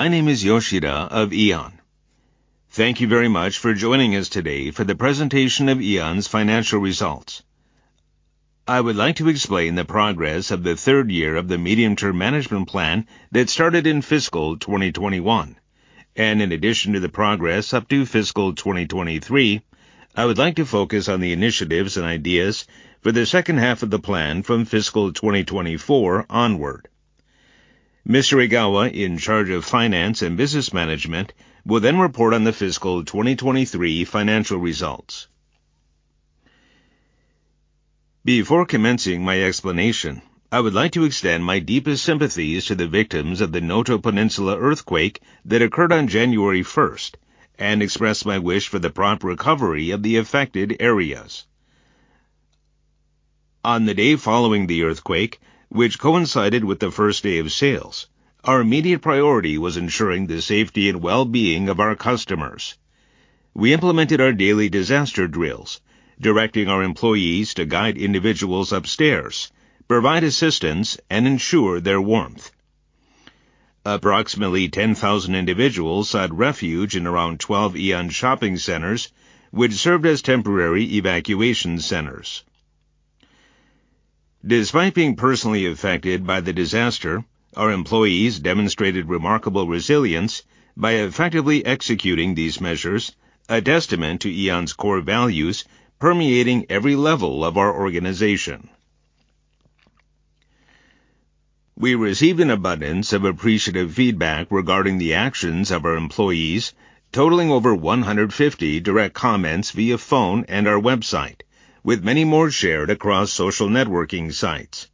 My name is Yoshida of AEON. Thank you very much for joining us today for the presentation of AEON's financial results. I would like to explain the progress of the third year of the medium-term management plan that started in fiscal 2021. In addition to the progress up to fiscal 2023, I would like to focus on the initiatives and ideas for the second half of the plan from fiscal 2024 onward. Mr. Egawa, in charge of finance and business management, will then report on the fiscal 2023 financial results. Before commencing my explanation, I would like to extend my deepest sympathies to the victims of the Noto Peninsula earthquake that occurred on January 1st and express my wish for the prompt recovery of the affected areas. On the day following the earthquake, which coincided with the first day of sales, our immediate priority was ensuring the safety and well-being of our customers. We implemented our daily disaster drills, directing our employees to guide individuals upstairs, provide assistance, and ensure their warmth. Approximately 10,000 individuals sought refuge in around 12 AEON shopping centers, which served as temporary evacuation centers. Despite being personally affected by the disaster, our employees demonstrated remarkable resilience by effectively executing these measures, a testament to AEON's core values permeating every level of our organization. We received an abundance of appreciative feedback regarding the actions of our employees, totaling over 150 direct comments via phone and our website, with many more shared across social networking sites.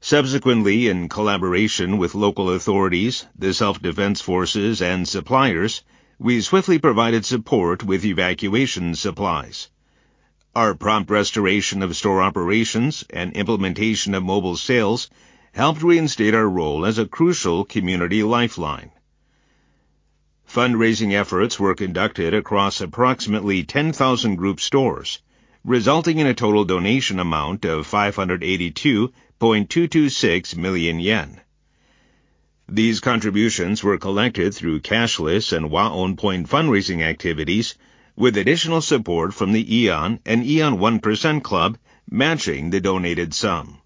Subsequently, in collaboration with local authorities, the Self-Defense Forces, and suppliers, we swiftly provided support with evacuation supplies. Our prompt restoration of store operations and implementation of mobile sales helped reinstate our role as a crucial community lifeline. Fundraising efforts were conducted across approximately 10,000 group stores, resulting in a total donation amount of 582.226 million yen. These contributions were collected through cashless and WAON POINT fundraising activities, with additional support from the AEON and AEON One Percent Club matching the donated sum.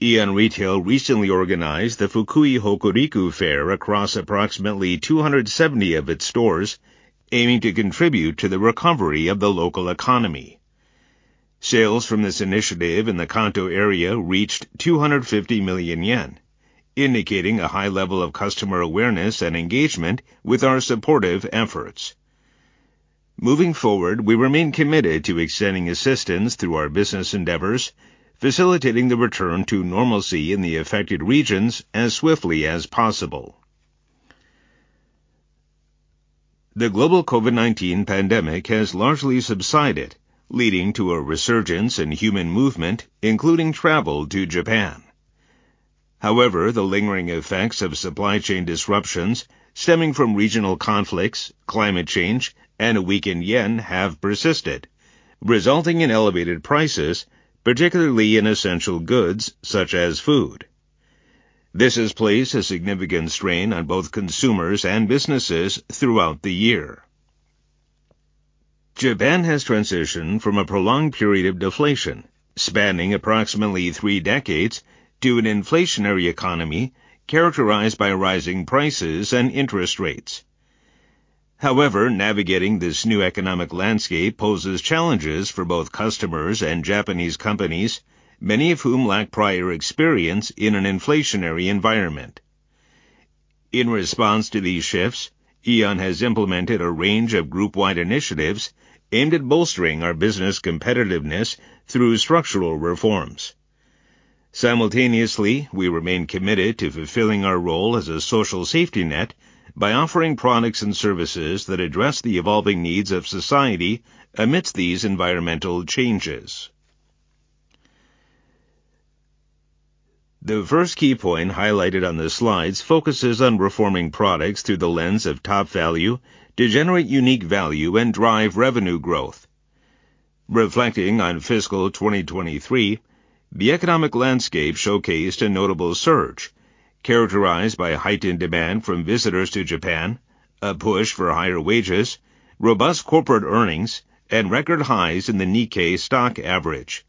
AEON Retail recently organized the Fukui Hokuriku Fair across approximately 270 of its stores, aiming to contribute to the recovery of the local economy. Sales from this initiative in the Kanto area reached 250 million yen, indicating a high level of customer awareness and engagement with our supportive efforts. Moving forward, we remain committed to extending assistance through our business endeavors, facilitating the return to normalcy in the affected regions as swiftly as possible. The global COVID-19 pandemic has largely subsided, leading to a resurgence in human movement, including travel to Japan. However, the lingering effects of supply chain disruptions stemming from regional conflicts, climate change, and a weakened yen have persisted, resulting in elevated prices, particularly in essential goods such as food. This has placed a significant strain on both consumers and businesses throughout the year. Japan has transitioned from a prolonged period of deflation, spanning approximately three decades, to an inflationary economy characterized by rising prices and interest rates. However, navigating this new economic landscape poses challenges for both customers and Japanese companies, many of whom lack prior experience in an inflationary environment. In response to these shifts, AEON has implemented a range of group-wide initiatives aimed at bolstering our business competitiveness through structural reforms. Simultaneously, we remain committed to fulfilling our role as a social safety net by offering products and services that address the evolving needs of society amidst these environmental changes. The first key point highlighted on the slides focuses on reforming products through the lens of Topvalu to generate unique value and drive revenue growth. Reflecting on fiscal 2023, the economic landscape showcased a notable surge characterized by heightened demand from visitors to Japan, a push for higher wages, robust corporate earnings, and record highs in the Nikkei Stock Average.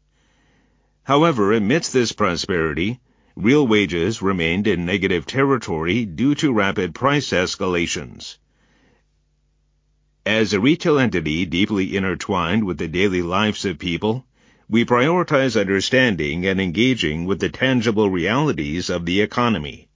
However, amidst this prosperity, real wages remained in negative territory due to rapid price escalations. As a retail entity deeply intertwined with the daily lives of people, we prioritize understanding and engaging with the tangible realities of the economy.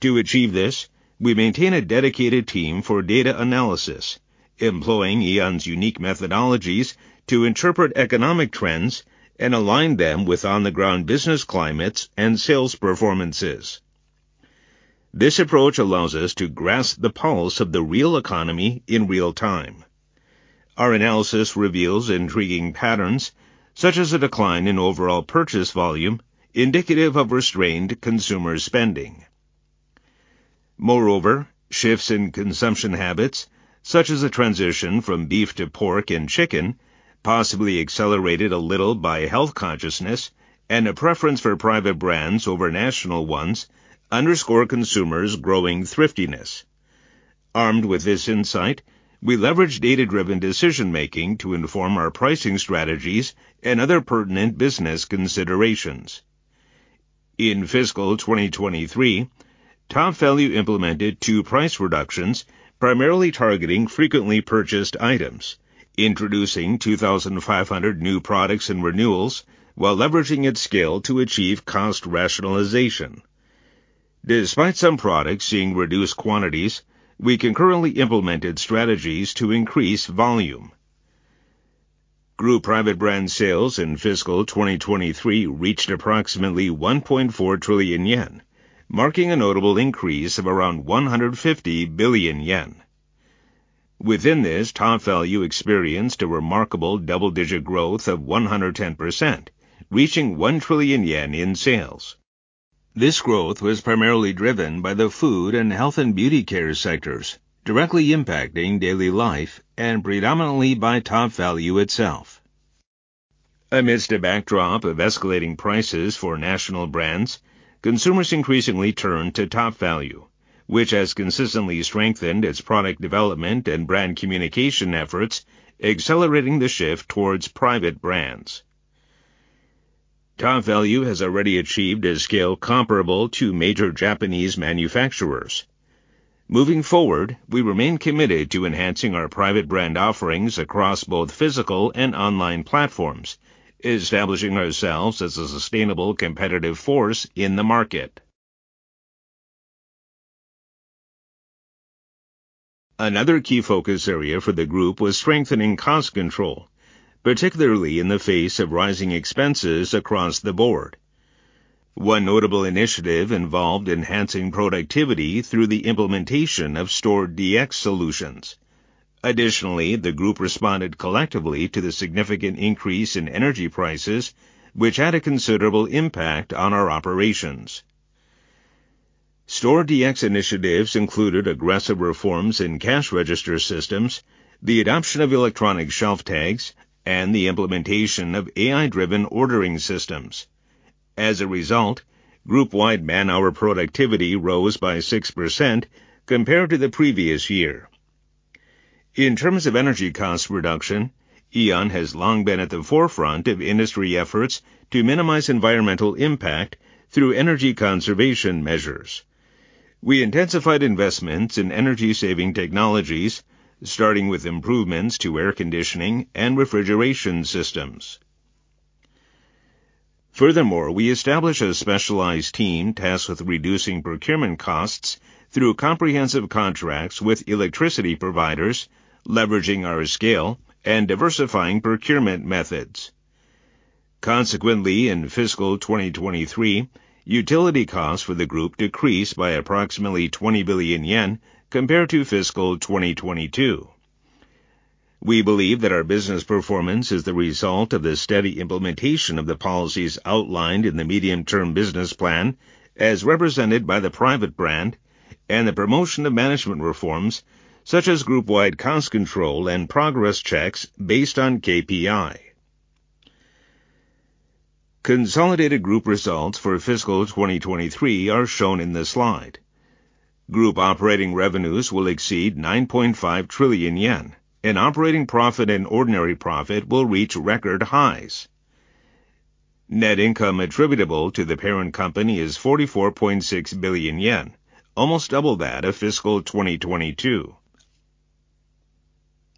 To achieve this, we maintain a dedicated team for data analysis, employing AEON's unique methodologies to interpret economic trends and align them with on-the-ground business climates and sales performances. This approach allows us to grasp the pulse of the real economy in real time. Our analysis reveals intriguing patterns, such as a decline in overall purchase volume, indicative of restrained consumer spending.... Moreover, shifts in consumption habits, such as a transition from beef to pork and chicken, possibly accelerated a little by health consciousness and a preference for private brands over national ones, underscore consumers' growing thriftiness. Armed with this insight, we leverage data-driven decision making to inform our pricing strategies and other pertinent business considerations. In fiscal 2023, TOPVALU implemented two price reductions, primarily targeting frequently purchased items, introducing 2,500 new products and renewals while leveraging its scale to achieve cost rationalization. Despite some products seeing reduced quantities, we concurrently implemented strategies to increase volume. Group private brand sales in fiscal 2023 reached approximately 1.4 trillion yen, marking a notable increase of around 150 billion yen. Within this, TOPVALU experienced a remarkable double-digit growth of 110%, reaching 1 trillion yen in sales. This growth was primarily driven by the food and health and beauty care sectors, directly impacting daily life and predominantly by TOPVALU itself. Amidst a backdrop of escalating prices for national brands, consumers increasingly turn to TOPVALU, which has consistently strengthened its product development and brand communication efforts, accelerating the shift towards private brands. TOPVALU has already achieved a scale comparable to major Japanese manufacturers. Moving forward, we remain committed to enhancing our private brand offerings across both physical and online platforms, establishing ourselves as a sustainable competitive force in the market. Another key focus area for the group was strengthening cost control, particularly in the face of rising expenses across the board. One notable initiative involved enhancing productivity through the implementation of Store DX solutions. Additionally, the group responded collectively to the significant increase in energy prices, which had a considerable impact on our operations. Store DX initiatives included aggressive reforms in cash register systems, the adoption of electronic shelf tags, and the implementation of AI-driven ordering systems. As a result, group-wide man-hour productivity rose by 6% compared to the previous year. In terms of energy cost reduction, AEON has long been at the forefront of industry efforts to minimize environmental impact through energy conservation measures. We intensified investments in energy-saving technologies, starting with improvements to air conditioning and refrigeration systems. Furthermore, we established a specialized team tasked with reducing procurement costs through comprehensive contracts with electricity providers, leveraging our scale and diversifying procurement methods. Consequently, in fiscal 2023, utility costs for the group decreased by approximately 20 billion yen compared to fiscal 2022. We believe that our business performance is the result of the steady implementation of the policies outlined in the medium-term business plan, as represented by the private brand and the promotion of management reforms such as group-wide cost control and progress checks based on KPI. Consolidated group results for fiscal 2023 are shown in this slide. Group operating revenues will exceed 9.5 trillion yen, and operating profit and ordinary profit will reach record highs. Net income attributable to the parent company is 44.6 billion yen, almost double that of fiscal 2022.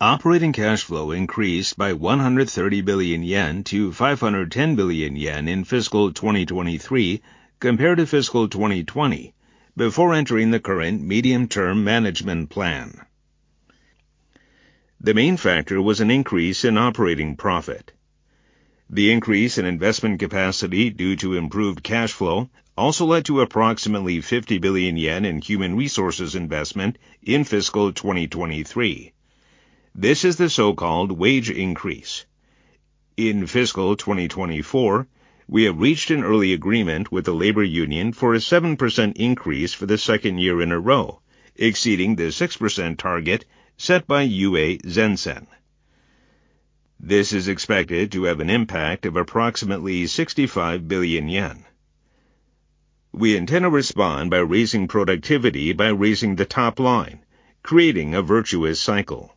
Operating cash flow increased by 130 billion yen to 510 billion yen in fiscal 2023 compared to fiscal 2020, before entering the current medium-term management plan. The main factor was an increase in operating profit. The increase in investment capacity due to improved cash flow also led to approximately 50 billion yen in human resources investment in fiscal 2023. This is the so-called wage increase. In fiscal 2024, we have reached an early agreement with the labor union for a 7% increase for the second year in a row, exceeding the 6% target set by UA Zensen. This is expected to have an impact of approximately 65 billion yen. We intend to respond by raising productivity by raising the top line, creating a virtuous cycle.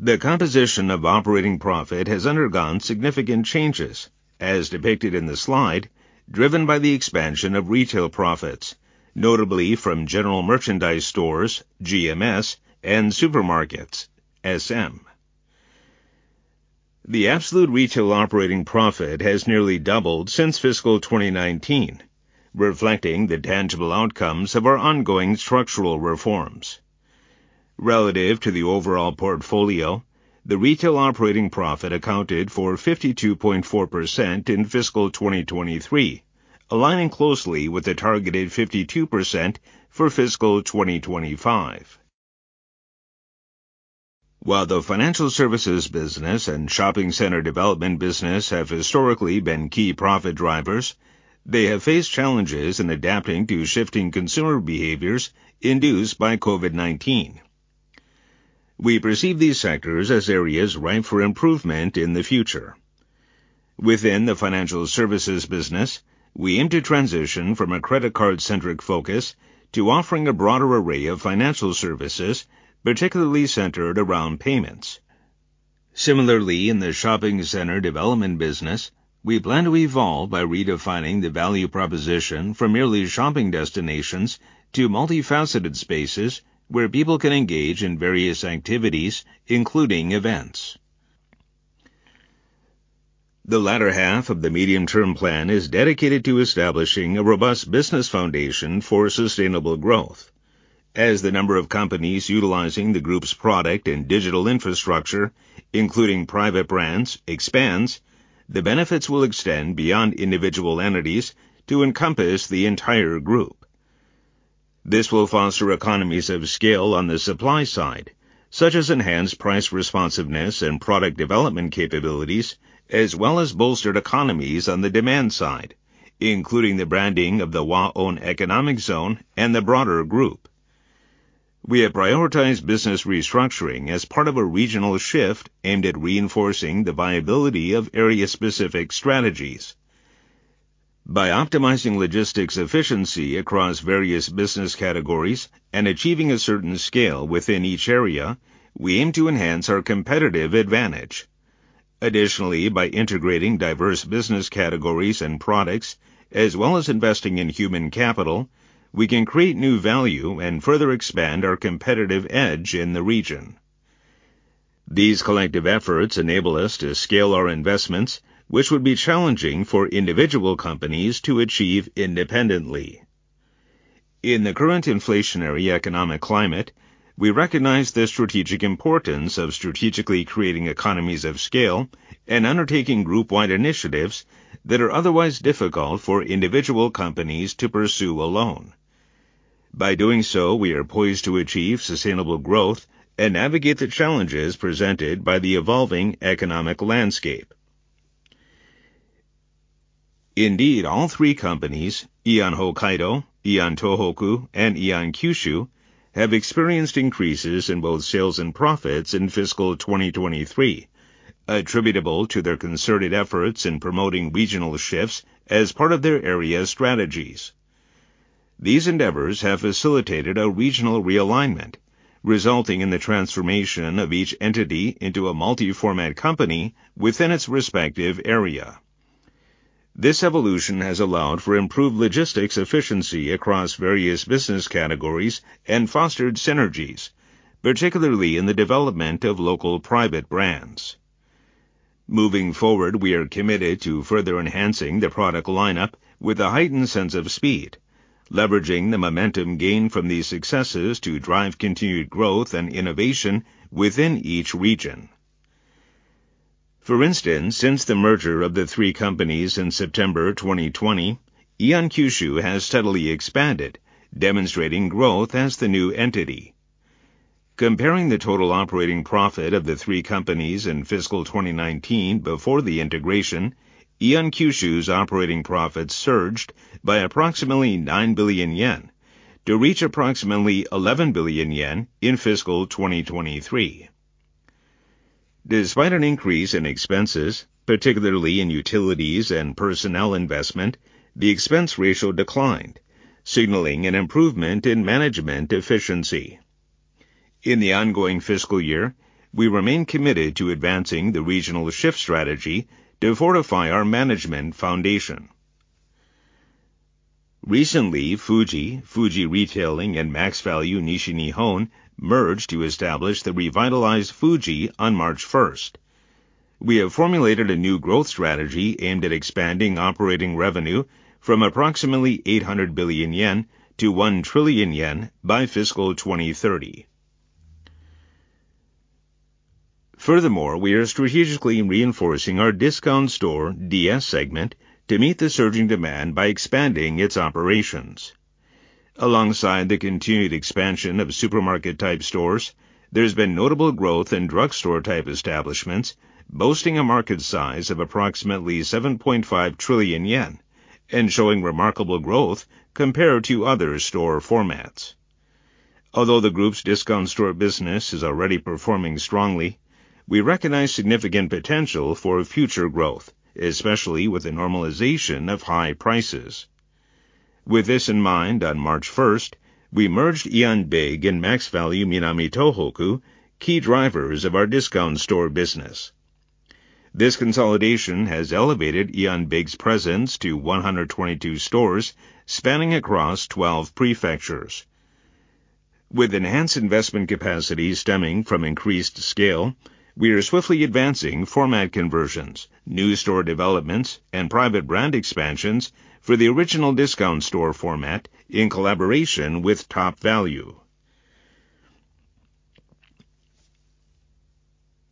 The composition of operating profit has undergone significant changes, as depicted in the slide, driven by the expansion of retail profits, notably from general merchandise stores, GMS, and supermarkets, SM. The absolute retail operating profit has nearly doubled since fiscal 2019, reflecting the tangible outcomes of our ongoing structural reforms. Relative to the overall portfolio, the retail operating profit accounted for 52.4% in fiscal 2023, aligning closely with the targeted 52% for fiscal 2025.... While the financial services business and shopping center development business have historically been key profit drivers, they have faced challenges in adapting to shifting consumer behaviors induced by COVID-19. We perceive these sectors as areas ripe for improvement in the future. Within the financial services business, we aim to transition from a credit card-centric focus to offering a broader array of financial services, particularly centered around payments. Similarly, in the shopping center development business, we plan to evolve by redefining the value proposition from merely shopping destinations to multifaceted spaces where people can engage in various activities, including events. The latter half of the medium-term plan is dedicated to establishing a robust business foundation for sustainable growth. As the number of companies utilizing the group's product and digital infrastructure, including private brands, expands, the benefits will extend beyond individual entities to encompass the entire group. This will foster economies of scale on the supply side, such as enhanced price responsiveness and product development capabilities, as well as bolstered economies on the demand side, including the branding of the AEON Economic Zone and the broader group. We have prioritized business restructuring as part of a regional shift aimed at reinforcing the viability of area-specific strategies. By optimizing logistics efficiency across various business categories and achieving a certain scale within each area, we aim to enhance our competitive advantage. Additionally, by integrating diverse business categories and products, as well as investing in human capital, we can create new value and further expand our competitive edge in the region. These collective efforts enable us to scale our investments, which would be challenging for individual companies to achieve independently. In the current inflationary economic climate, we recognize the strategic importance of strategically creating economies of scale and undertaking group-wide initiatives that are otherwise difficult for individual companies to pursue alone. By doing so, we are poised to achieve sustainable growth and navigate the challenges presented by the evolving economic landscape. Indeed, all three companies, AEON Hokkaido, AEON Tohoku, and AEON Kyushu, have experienced increases in both sales and profits in fiscal 2023, attributable to their concerted efforts in promoting regional shifts as part of their area strategies. These endeavors have facilitated a regional realignment, resulting in the transformation of each entity into a multi-format company within its respective area. This evolution has allowed for improved logistics efficiency across various business categories and fostered synergies, particularly in the development of local private brands. Moving forward, we are committed to further enhancing the product lineup with a heightened sense of speed, leveraging the momentum gained from these successes to drive continued growth and innovation within each region. For instance, since the merger of the three companies in September 2020, AEON Kyushu has steadily expanded, demonstrating growth as the new entity. Comparing the total operating profit of the three companies in fiscal 2019 before the integration, AEON Kyushu's operating profits surged by approximately 9 billion yen to reach approximately 11 billion yen in fiscal 2023. Despite an increase in expenses, particularly in utilities and personnel investment, the expense ratio declined, signaling an improvement in management efficiency. In the ongoing fiscal year, we remain committed to advancing the regional shift strategy to fortify our management foundation. Recently, Fuji, Fuji Retailing, and MaxValu Nishi Nihon merged to establish the revitalized Fuji on March 1. We have formulated a new growth strategy aimed at expanding operating revenue from approximately 800 billion yen to 1 trillion yen by fiscal 2030. Furthermore, we are strategically reinforcing our discount store DS segment to meet the surging demand by expanding its operations. Alongside the continued expansion of supermarket-type stores, there's been notable growth in drugstore-type establishments, boasting a market size of approximately 7.5 trillion yen and showing remarkable growth compared to other store formats. Although the group's discount store business is already performing strongly, we recognize significant potential for future growth, especially with the normalization of high prices. With this in mind, on March 1, we merged AEON Big and MaxValu Minami Tohoku, key drivers of our discount store business. This consolidation has elevated AEON Big's presence to 122 stores spanning across 12 prefectures. With enhanced investment capacity stemming from increased scale, we are swiftly advancing format conversions, new store developments, and private brand expansions for the original discount store format in collaboration with TOPVALU.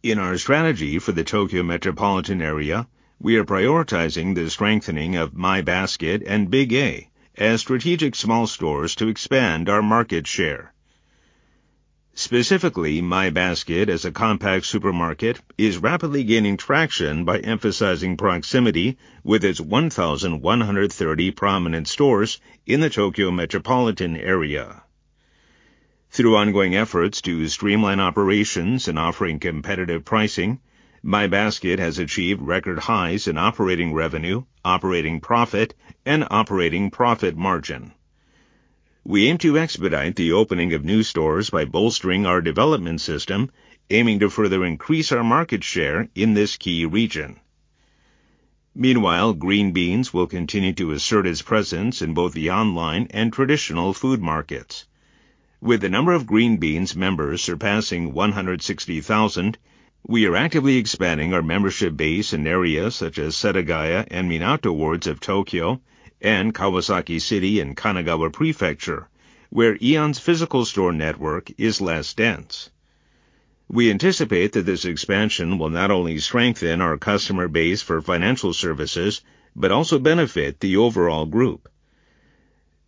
In our strategy for the Tokyo metropolitan area, we are prioritizing the strengthening of My Basket and Big A as strategic small stores to expand our market share. Specifically, My Basket, as a compact supermarket, is rapidly gaining traction by emphasizing proximity with its 1,130 prominent stores in the Tokyo metropolitan area. Through ongoing efforts to streamline operations and offering competitive pricing, My Basket has achieved record highs in operating revenue, operating profit, and operating profit margin. We aim to expedite the opening of new stores by bolstering our development system, aiming to further increase our market share in this key region. Meanwhile, Green Beans will continue to assert its presence in both the online and traditional food markets. With the number of Green Beans members surpassing 160,000, we are actively expanding our membership base in areas such as Setagaya and Minato wards of Tokyo and Kawasaki City in Kanagawa Prefecture, where Aeon's physical store network is less dense. We anticipate that this expansion will not only strengthen our customer base for financial services, but also benefit the overall group.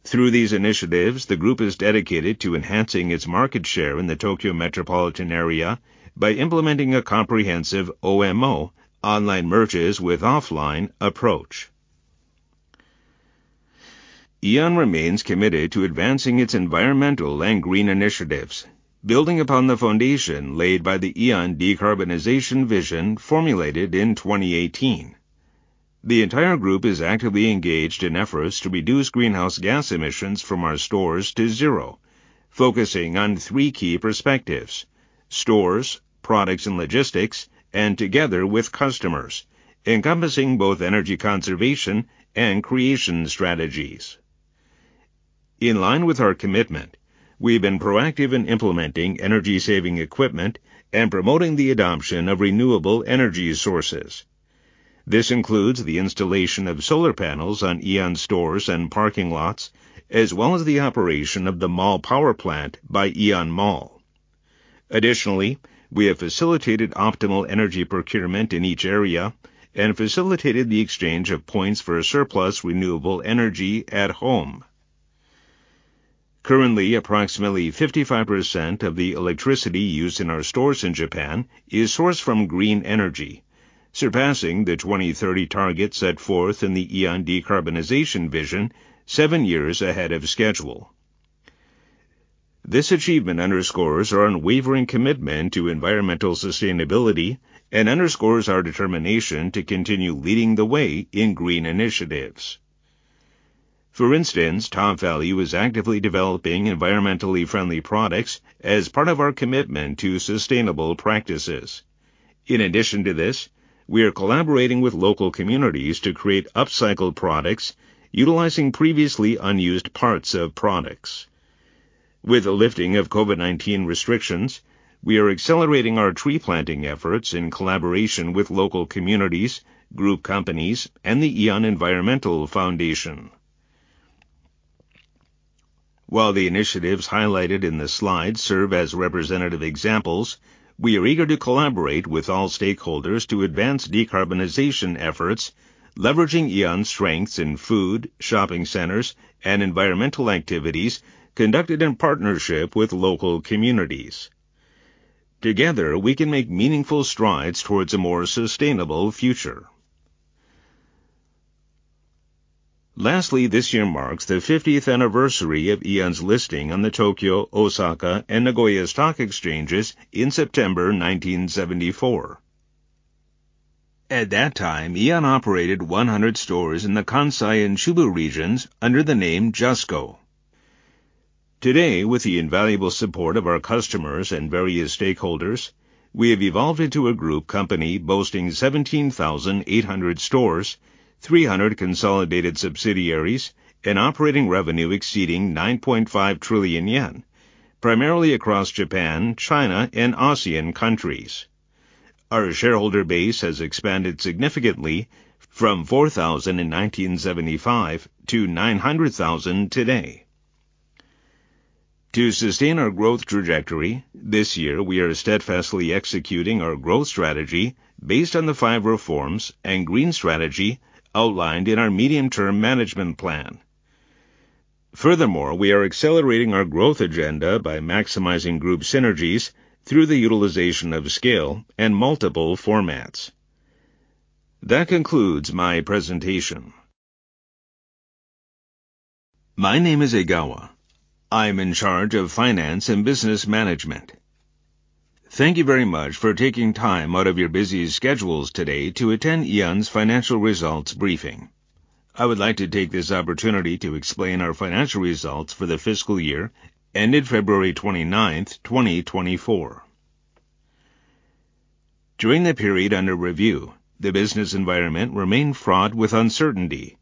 Through these initiatives, the group is dedicated to enhancing its market share in the Tokyo metropolitan area by implementing a comprehensive OMO, online merges with offline approach. Aeon remains committed to advancing its environmental and green initiatives, building upon the foundation laid by the Aeon Decarbonization Vision, formulated in 2018. The entire group is actively engaged in efforts to reduce greenhouse gas emissions from our stores to zero, focusing on three key perspectives: stores, products and logistics, and together with customers, encompassing both energy conservation and creation strategies. In line with our commitment, we've been proactive in implementing energy-saving equipment and promoting the adoption of renewable energy sources. This includes the installation of solar panels on AEON stores and parking lots, as well as the operation of the Mall power plant by AEON Mall. Additionally, we have facilitated optimal energy procurement in each area and facilitated the exchange of points for a surplus renewable energy at home. Currently, approximately 55% of the electricity used in our stores in Japan is sourced from green energy, surpassing the 2030 target set forth in the AEON Decarbonization Vision, seven years ahead of schedule. This achievement underscores our unwavering commitment to environmental sustainability and underscores our determination to continue leading the way in green initiatives. For instance, TOPVALU is actively developing environmentally friendly products as part of our commitment to sustainable practices. In addition to this, we are collaborating with local communities to create upcycled products utilizing previously unused parts of products. With the lifting of COVID-19 restrictions, we are accelerating our tree planting efforts in collaboration with local communities, group companies, and the AEON Environmental Foundation. While the initiatives highlighted in this slide serve as representative examples, we are eager to collaborate with all stakeholders to advance decarbonization efforts, leveraging AEON's strengths in food, shopping centers, and environmental activities conducted in partnership with local communities. Together, we can make meaningful strides towards a more sustainable future. Lastly, this year marks the 50th anniversary of Aeon's listing on the Tokyo, Osaka, and Nagoya stock exchanges in September 1974. At that time, Aeon operated 100 stores in the Kansai and Chubu regions under the name JUSCO. Today, with the invaluable support of our customers and various stakeholders, we have evolved into a group company boasting 17,800 stores, 300 consolidated subsidiaries, and operating revenue exceeding 9.5 trillion yen, primarily across Japan, China, and ASEAN countries. Our shareholder base has expanded significantly from 4,000 in 1975 to 900,000 today. To sustain our growth trajectory, this year, we are steadfastly executing our growth strategy based on the five reforms and green strategy outlined in our medium-term management plan. Furthermore, we are accelerating our growth agenda by maximizing group synergies through the utilization of scale and multiple formats. That concludes my presentation. My name is Egawa. I'm in charge of finance and business management. Thank you very much for taking time out of your busy schedules today to attend AEON's financial results briefing. I would like to take this opportunity to explain our financial results for the fiscal year ended February 29, 2024. During the period under review, the business environment remained fraught with uncertainty,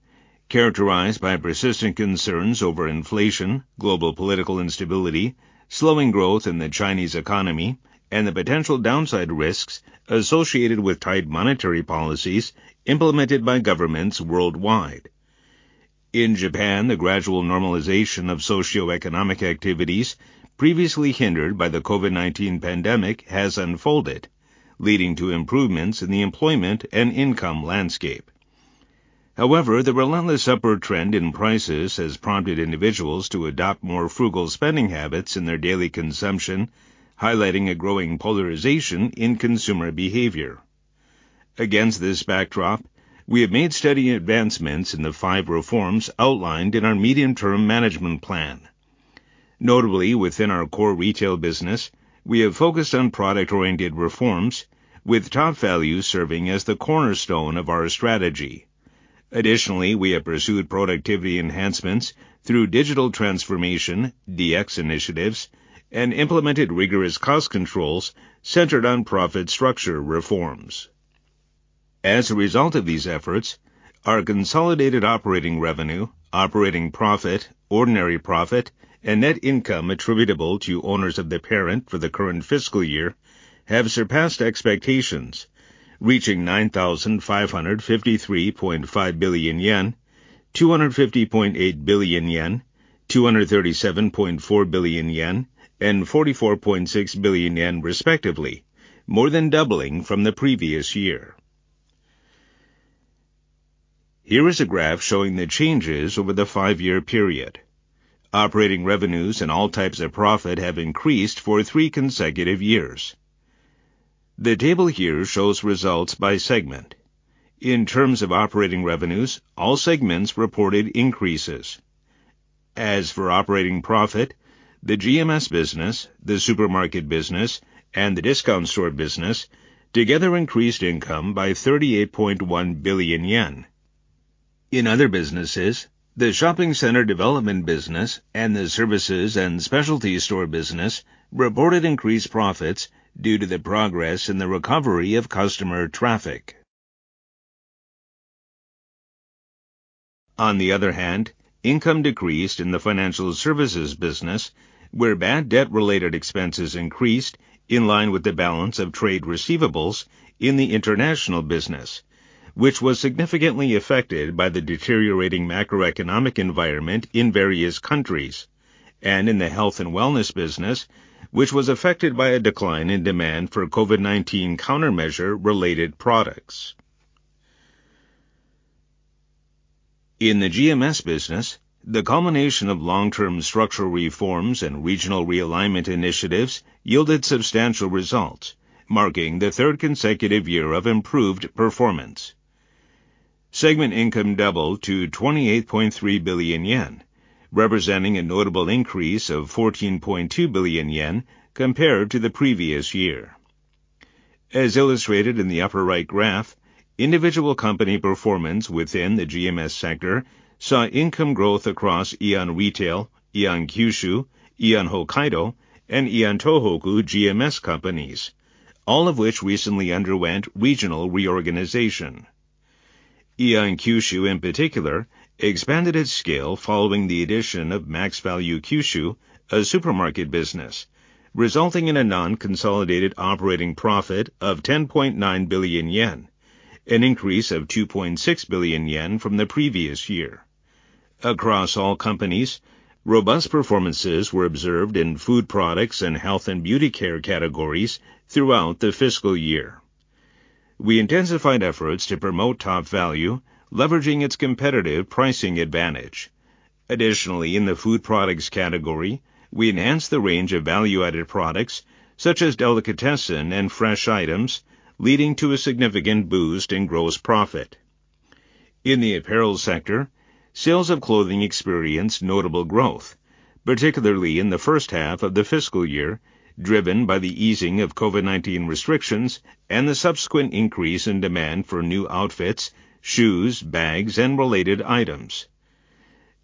characterized by persistent concerns over inflation, global political instability, slowing growth in the Chinese economy, and the potential downside risks associated with tight monetary policies implemented by governments worldwide.... In Japan, the gradual normalization of socioeconomic activities previously hindered by the COVID-19 pandemic has unfolded, leading to improvements in the employment and income landscape. However, the relentless upward trend in prices has prompted individuals to adopt more frugal spending habits in their daily consumption, highlighting a growing polarization in consumer behavior. Against this backdrop, we have made steady advancements in the five reforms outlined in our medium-term management plan. Notably, within our core retail business, we have focused on product-oriented reforms, with Topvalu serving as the cornerstone of our strategy. Additionally, we have pursued productivity enhancements through digital transformation, DX initiatives, and implemented rigorous cost controls centered on profit structure reforms. As a result of these efforts, our consolidated operating revenue, operating profit, ordinary profit, and net income attributable to owners of the parent for the current fiscal year have surpassed expectations, reaching 9,553.5 billion yen, 250.8 billion yen, 237.4 billion yen, and 44.6 billion yen, respectively, more than doubling from the previous year. Here is a graph showing the changes over the five-year period. Operating revenues and all types of profit have increased for three consecutive years. The table here shows results by segment. In terms of operating revenues, all segments reported increases. As for operating profit, the GMS business, the supermarket business, and the discount store business together increased income by 38.1 billion yen. In other businesses, the shopping center development business and the services and specialty store business reported increased profits due to the progress in the recovery of customer traffic. On the other hand, income decreased in the financial services business, where bad debt-related expenses increased in line with the balance of trade receivables in the international business, which was significantly affected by the deteriorating macroeconomic environment in various countries, and in the health and wellness business, which was affected by a decline in demand for COVID-19 countermeasure-related products. In the GMS business, the combination of long-term structural reforms and regional realignment initiatives yielded substantial results, marking the third consecutive year of improved performance. Segment income doubled to 28.3 billion yen, representing a notable increase of 14.2 billion yen compared to the previous year. As illustrated in the upper right graph, individual company performance within the GMS sector saw income growth across AEON Retail, AEON Kyushu, AEON Hokkaido, and AEON Tohoku GMS companies, all of which recently underwent regional reorganization. AEON Kyushu, in particular, expanded its scale following the addition of MaxValu Kyushu, a supermarket business, resulting in a non-consolidated operating profit of 10.9 billion yen, an increase of 2.6 billion yen from the previous year. Across all companies, robust performances were observed in food products and health and beauty care categories throughout the fiscal year. We intensified efforts to promote TOPVALU, leveraging its competitive pricing advantage. Additionally, in the food products category, we enhanced the range of value-added products such as delicatessen and fresh items, leading to a significant boost in gross profit. In the apparel sector, sales of clothing experienced notable growth, particularly in the first half of the fiscal year, driven by the easing of COVID-19 restrictions and the subsequent increase in demand for new outfits, shoes, bags, and related items.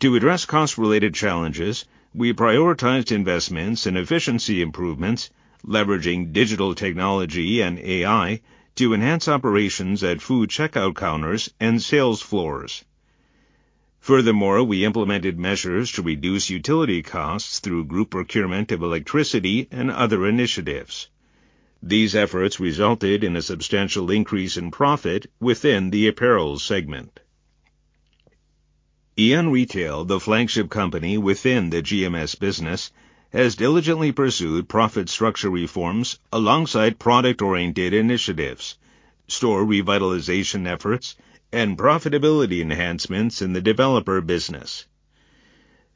To address cost-related challenges, we prioritized investments in efficiency improvements, leveraging digital technology and AI to enhance operations at food checkout counters and sales floors. Furthermore, we implemented measures to reduce utility costs through group procurement of electricity and other initiatives. These efforts resulted in a substantial increase in profit within the apparel segment. AEON Retail, the flagship company within the GMS business, has diligently pursued profit structure reforms alongside product-oriented initiatives, store revitalization efforts, and profitability enhancements in the developer business.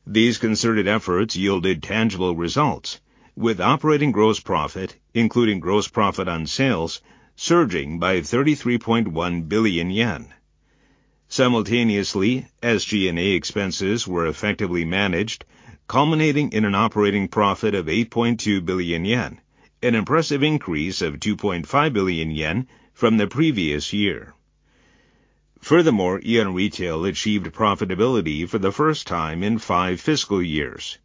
These concerted efforts yielded tangible results, with operating gross profit, including gross profit on sales, surging by 33.1 billion yen. Simultaneously, SG&A expenses were effectively managed, culminating in an operating profit of 8.2 billion yen, an impressive increase of 2.5 billion yen from the previous year. Furthermore, AEON Retail achieved profitability for the first time in five fiscal years.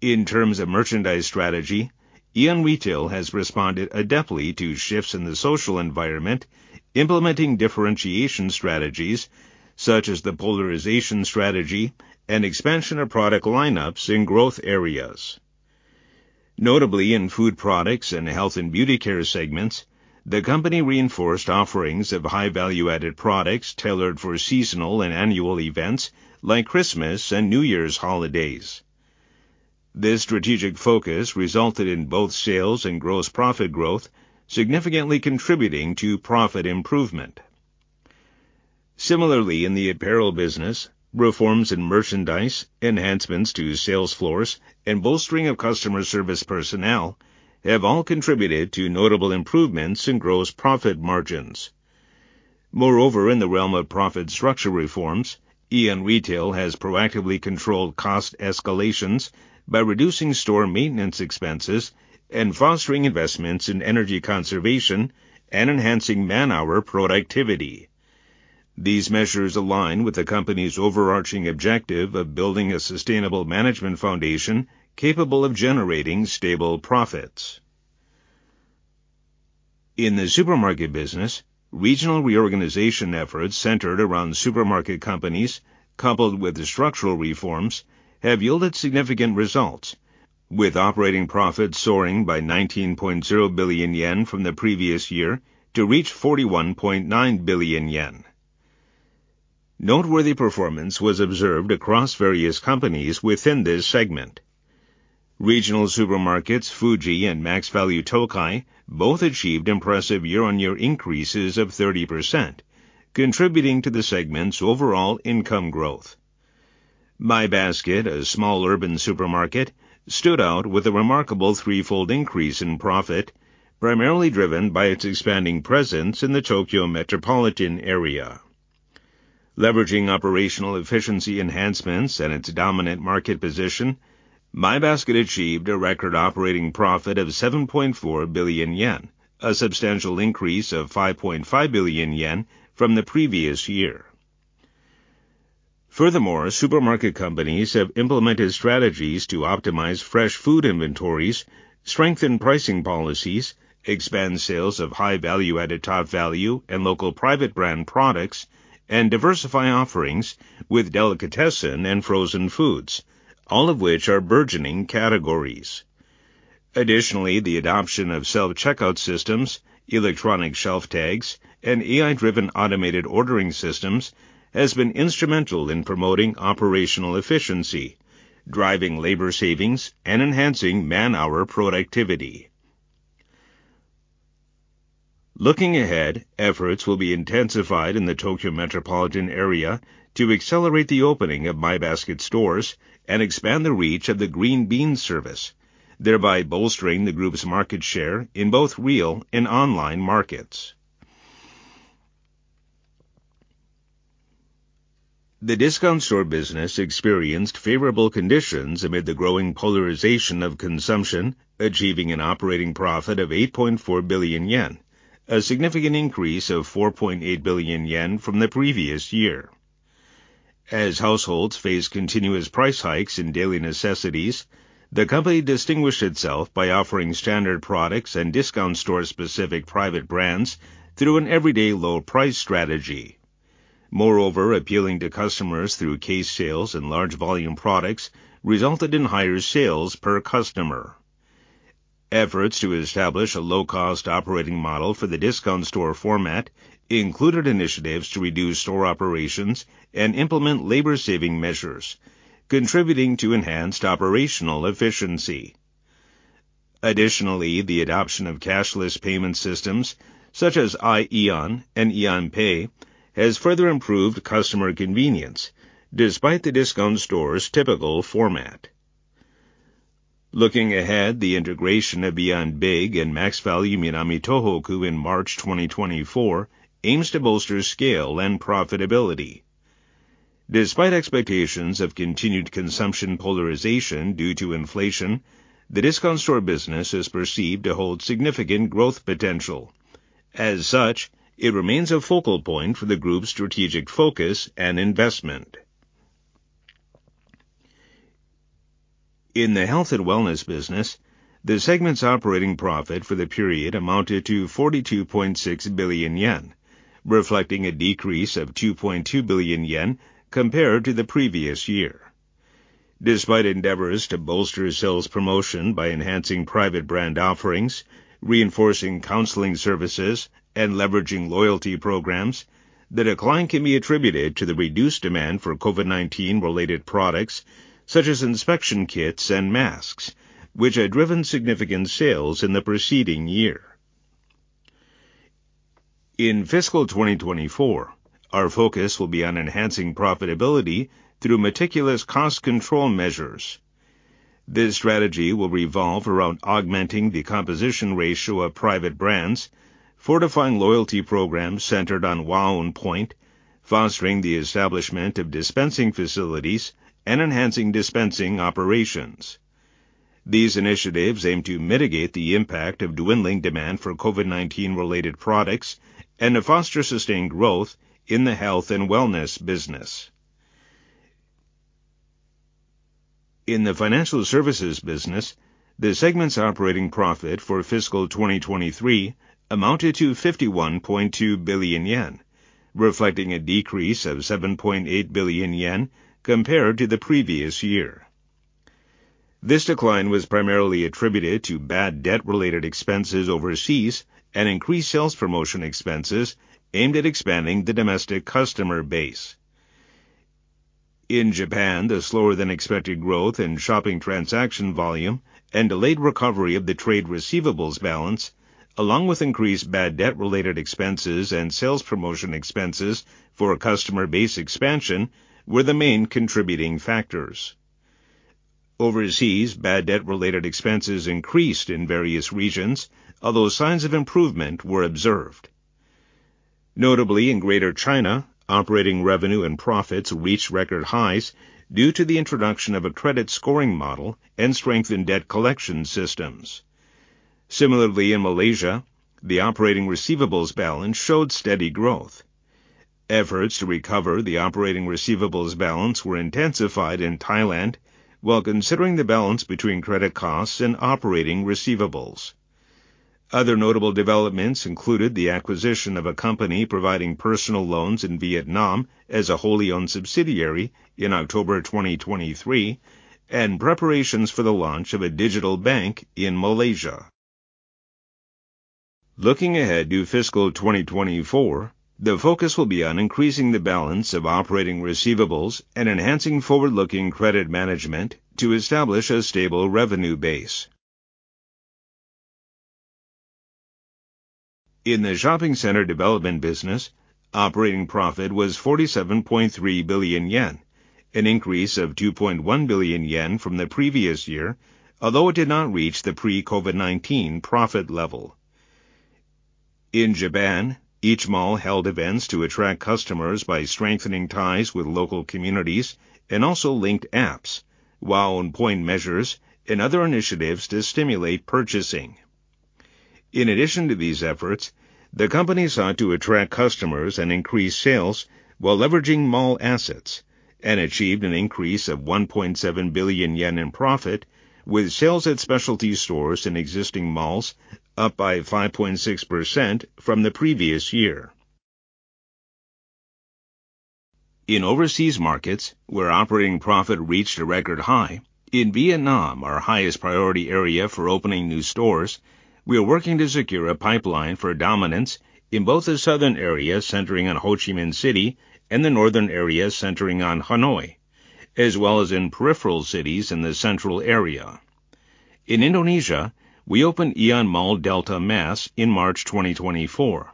In terms of merchandise strategy, AEON Retail has responded adeptly to shifts in the social environment, implementing differentiation strategies such as the polarization strategy and expansion of product lineups in growth areas.... Notably, in food products and health and beauty care segments, the company reinforced offerings of high value-added products tailored for seasonal and annual events like Christmas and New Year's holidays. This strategic focus resulted in both sales and gross profit growth, significantly contributing to profit improvement. Similarly, in the apparel business, reforms in merchandise, enhancements to sales floors, and bolstering of customer service personnel have all contributed to notable improvements in gross profit margins. Moreover, in the realm of profit structure reforms, AEON Retail has proactively controlled cost escalations by reducing store maintenance expenses and fostering investments in energy conservation and enhancing man-hour productivity. These measures align with the company's overarching objective of building a sustainable management foundation capable of generating stable profits. In the supermarket business, regional reorganization efforts centered around supermarket companies, coupled with the structural reforms, have yielded significant results, with operating profits soaring by 19.0 billion yen from the previous year to reach 41.9 billion yen. Noteworthy performance was observed across various companies within this segment. Regional supermarkets, Fuji and MaxValu Tokai, both achieved impressive year-on-year increases of 30%, contributing to the segment's overall income growth. My Basket, a small urban supermarket, stood out with a remarkable threefold increase in profit, primarily driven by its expanding presence in the Tokyo metropolitan area. Leveraging operational efficiency enhancements and its dominant market position, My Basket achieved a record operating profit of 7.4 billion yen, a substantial increase of 5.5 billion yen from the previous year. Furthermore, supermarket companies have implemented strategies to optimize fresh food inventories, strengthen pricing policies, expand sales of high-value added TOPVALU, and local private brand products, and diversify offerings with delicatessen and frozen foods, all of which are burgeoning categories. Additionally, the adoption of self-checkout systems, electronic shelf tags, and AI-driven automated ordering systems has been instrumental in promoting operational efficiency, driving labor savings, and enhancing man-hour productivity. Looking ahead, efforts will be intensified in the Tokyo metropolitan area to accelerate the opening of My Basket stores and expand the reach of the Green Beans service, thereby bolstering the group's market share in both real and online markets. The discount store business experienced favorable conditions amid the growing polarization of consumption, achieving an operating profit of 8.4 billion yen, a significant increase of 4.8 billion yen from the previous year. As households face continuous price hikes in daily necessities, the company distinguished itself by offering standard products and discount store-specific private brands through an everyday low price strategy. Moreover, appealing to customers through case sales and large volume products resulted in higher sales per customer. Efforts to establish a low-cost operating model for the discount store format included initiatives to reduce store operations and implement labor-saving measures, contributing to enhanced operational efficiency. Additionally, the adoption of cashless payment systems such as iAEON and AEON Pay has further improved customer convenience despite the discount store's typical format. Looking ahead, the integration of AEON Big and MaxValu Minami Tohoku in March 2024 aims to bolster scale and profitability. Despite expectations of continued consumption polarization due to inflation, the discount store business is perceived to hold significant growth potential. As such, it remains a focal point for the group's strategic focus and investment. In the health and wellness business, the segment's operating profit for the period amounted to 42.6 billion yen, reflecting a decrease of 2.2 billion yen compared to the previous year. Despite endeavors to bolster sales promotion by enhancing private brand offerings, reinforcing counseling services, and leveraging loyalty programs, the decline can be attributed to the reduced demand for COVID-19 related products such as inspection kits and masks, which had driven significant sales in the preceding year. In fiscal 2024, our focus will be on enhancing profitability through meticulous cost control measures. This strategy will revolve around augmenting the composition ratio of private brands, fortifying loyalty programs centered on WAON POINT, fostering the establishment of dispensing facilities, and enhancing dispensing operations. These initiatives aim to mitigate the impact of dwindling demand for COVID-19 related products and to foster sustained growth in the health and wellness business. In the financial services business, the segment's operating profit for fiscal 2023 amounted to 51.2 billion yen, reflecting a decrease of 7.8 billion yen compared to the previous year. This decline was primarily attributed to bad debt-related expenses overseas and increased sales promotion expenses aimed at expanding the domestic customer base. In Japan, the slower-than-expected growth in shopping transaction volume and delayed recovery of the trade receivables balance, along with increased bad debt-related expenses and sales promotion expenses for customer base expansion, were the main contributing factors. Overseas, bad debt-related expenses increased in various regions, although signs of improvement were observed. Notably, in Greater China, operating revenue and profits reached record highs due to the introduction of a credit scoring model and strength in debt collection systems. Similarly, in Malaysia, the operating receivables balance showed steady growth. Efforts to recover the operating receivables balance were intensified in Thailand while considering the balance between credit costs and operating receivables. Other notable developments included the acquisition of a company providing personal loans in Vietnam as a wholly-owned subsidiary in October 2023, and preparations for the launch of a digital bank in Malaysia. Looking ahead to fiscal 2024, the focus will be on increasing the balance of operating receivables and enhancing forward-looking credit management to establish a stable revenue base. In the shopping center development business, operating profit was 47.3 billion yen, an increase of 2.1 billion yen from the previous year, although it did not reach the pre-COVID-19 profit level. In Japan, each mall held events to attract customers by strengthening ties with local communities and also linked apps, while on point measures and other initiatives to stimulate purchasing. In addition to these efforts, the company sought to attract customers and increase sales while leveraging mall assets, and achieved an increase of 1.7 billion yen in profit, with sales at specialty stores in existing malls up by 5.6% from the previous year. In overseas markets, where operating profit reached a record high, in Vietnam, our highest priority area for opening new stores, we are working to secure a pipeline for dominance in both the southern area, centering on Ho Chi Minh City, and the northern area, centering on Hanoi, as well as in peripheral cities in the central area. In Indonesia, we opened AEON Mall Deltamas in March 2024.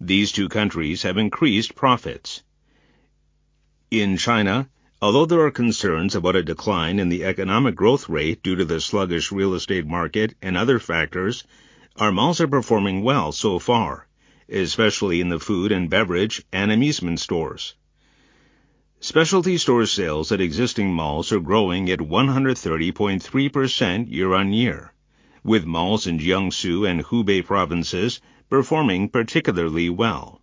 These two countries have increased profits. In China, although there are concerns about a decline in the economic growth rate due to the sluggish real estate market and other factors, our malls are performing well so far, especially in the food and beverage and amusement stores. Specialty store sales at existing malls are growing at 130.3% year-on-year, with malls in Jiangsu and Hubei provinces performing particularly well.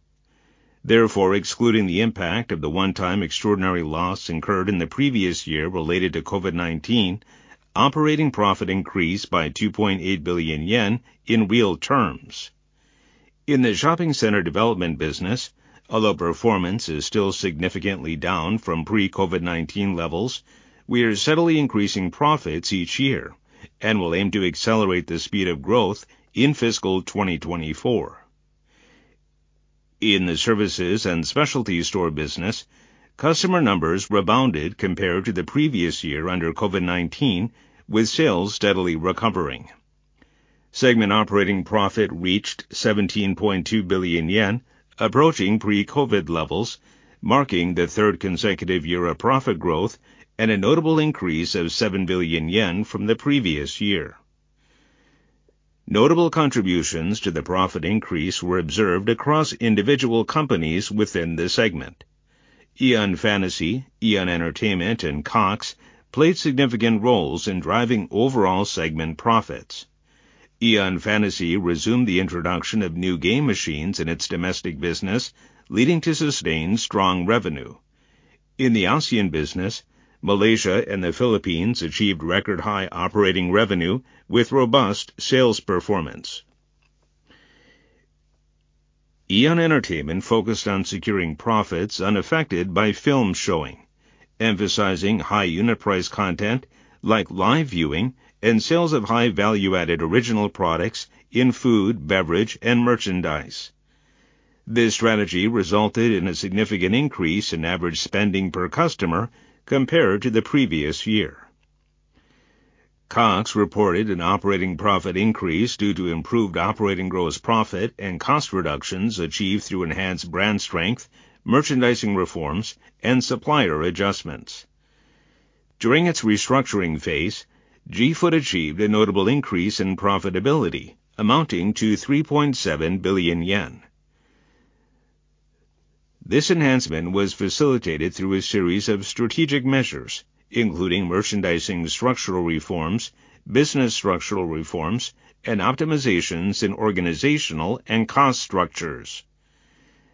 Therefore, excluding the impact of the one-time extraordinary loss incurred in the previous year related to COVID-19, operating profit increased by 2.8 billion yen in real terms. In the shopping center development business, although performance is still significantly down from pre-COVID-19 levels, we are steadily increasing profits each year and will aim to accelerate the speed of growth in fiscal 2024. In the services and specialty store business, customer numbers rebounded compared to the previous year under COVID-19, with sales steadily recovering. Segment operating profit reached 17.2 billion yen, approaching pre-COVID levels, marking the third consecutive year of profit growth and a notable increase of 7 billion yen from the previous year. Notable contributions to the profit increase were observed across individual companies within the segment. AEON Fantasy, AEON Entertainment, and COX played significant roles in driving overall segment profits. AEON Fantasy resumed the introduction of new game machines in its domestic business, leading to sustained strong revenue. In the ASEAN business, Malaysia and the Philippines achieved record-high operating revenue with robust sales performance. AEON Entertainment focused on securing profits unaffected by film showing, emphasizing high unit price content like live viewing and sales of high value-added original products in food, beverage, and merchandise. This strategy resulted in a significant increase in average spending per customer compared to the previous year. COX reported an operating profit increase due to improved operating gross profit and cost reductions achieved through enhanced brand strength, merchandising reforms, and supplier adjustments. During its restructuring phase, G-Foot achieved a notable increase in profitability amounting to 3.7 billion yen. This enhancement was facilitated through a series of strategic measures, including merchandising structural reforms, business structural reforms, and optimizations in organizational and cost structures.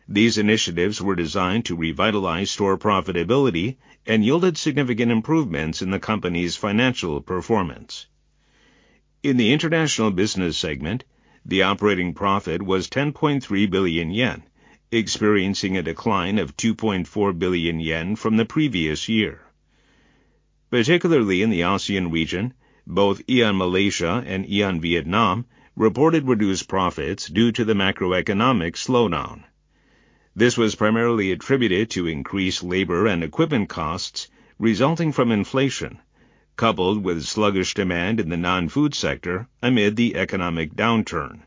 These initiatives were designed to revitalize store profitability and yielded significant improvements in the company's financial performance. In the international business segment, the operating profit was 10.3 billion yen, experiencing a decline of 2.4 billion yen from the previous year. Particularly in the ASEAN region, both AEON Malaysia and AEON Vietnam reported reduced profits due to the macroeconomic slowdown. This was primarily attributed to increased labor and equipment costs resulting from inflation, coupled with sluggish demand in the non-food sector amid the economic downturn.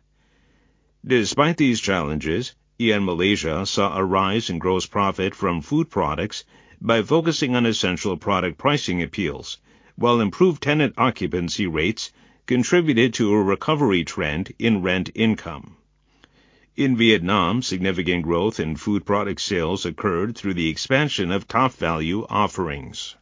Despite these challenges, AEON Malaysia saw a rise in gross profit from food products by focusing on essential product pricing appeals, while improved tenant occupancy rates contributed to a recovery trend in rent income. In Vietnam, significant growth in food product sales occurred through the expansion of TOPVALU offerings.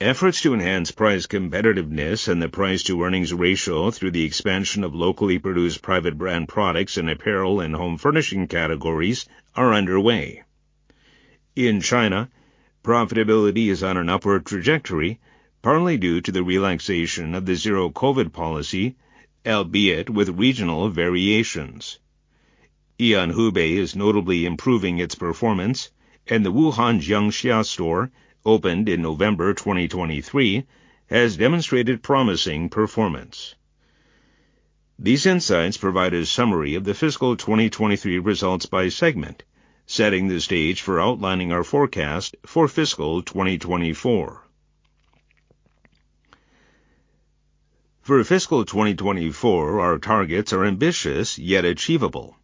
Efforts to enhance price competitiveness and the price-to-earnings ratio through the expansion of locally produced private brand products in apparel and home furnishing categories are underway. In China, profitability is on an upward trajectory, partly due to the relaxation of the zero COVID policy, albeit with regional variations. AEON Hubei is notably improving its performance, and the Wuhan Jiangxia store, opened in November 2023, has demonstrated promising performance. These insights provide a summary of the fiscal 2023 results by segment, setting the stage for outlining our forecast for fiscal 2024. For fiscal 2024, our targets are ambitious yet achievable.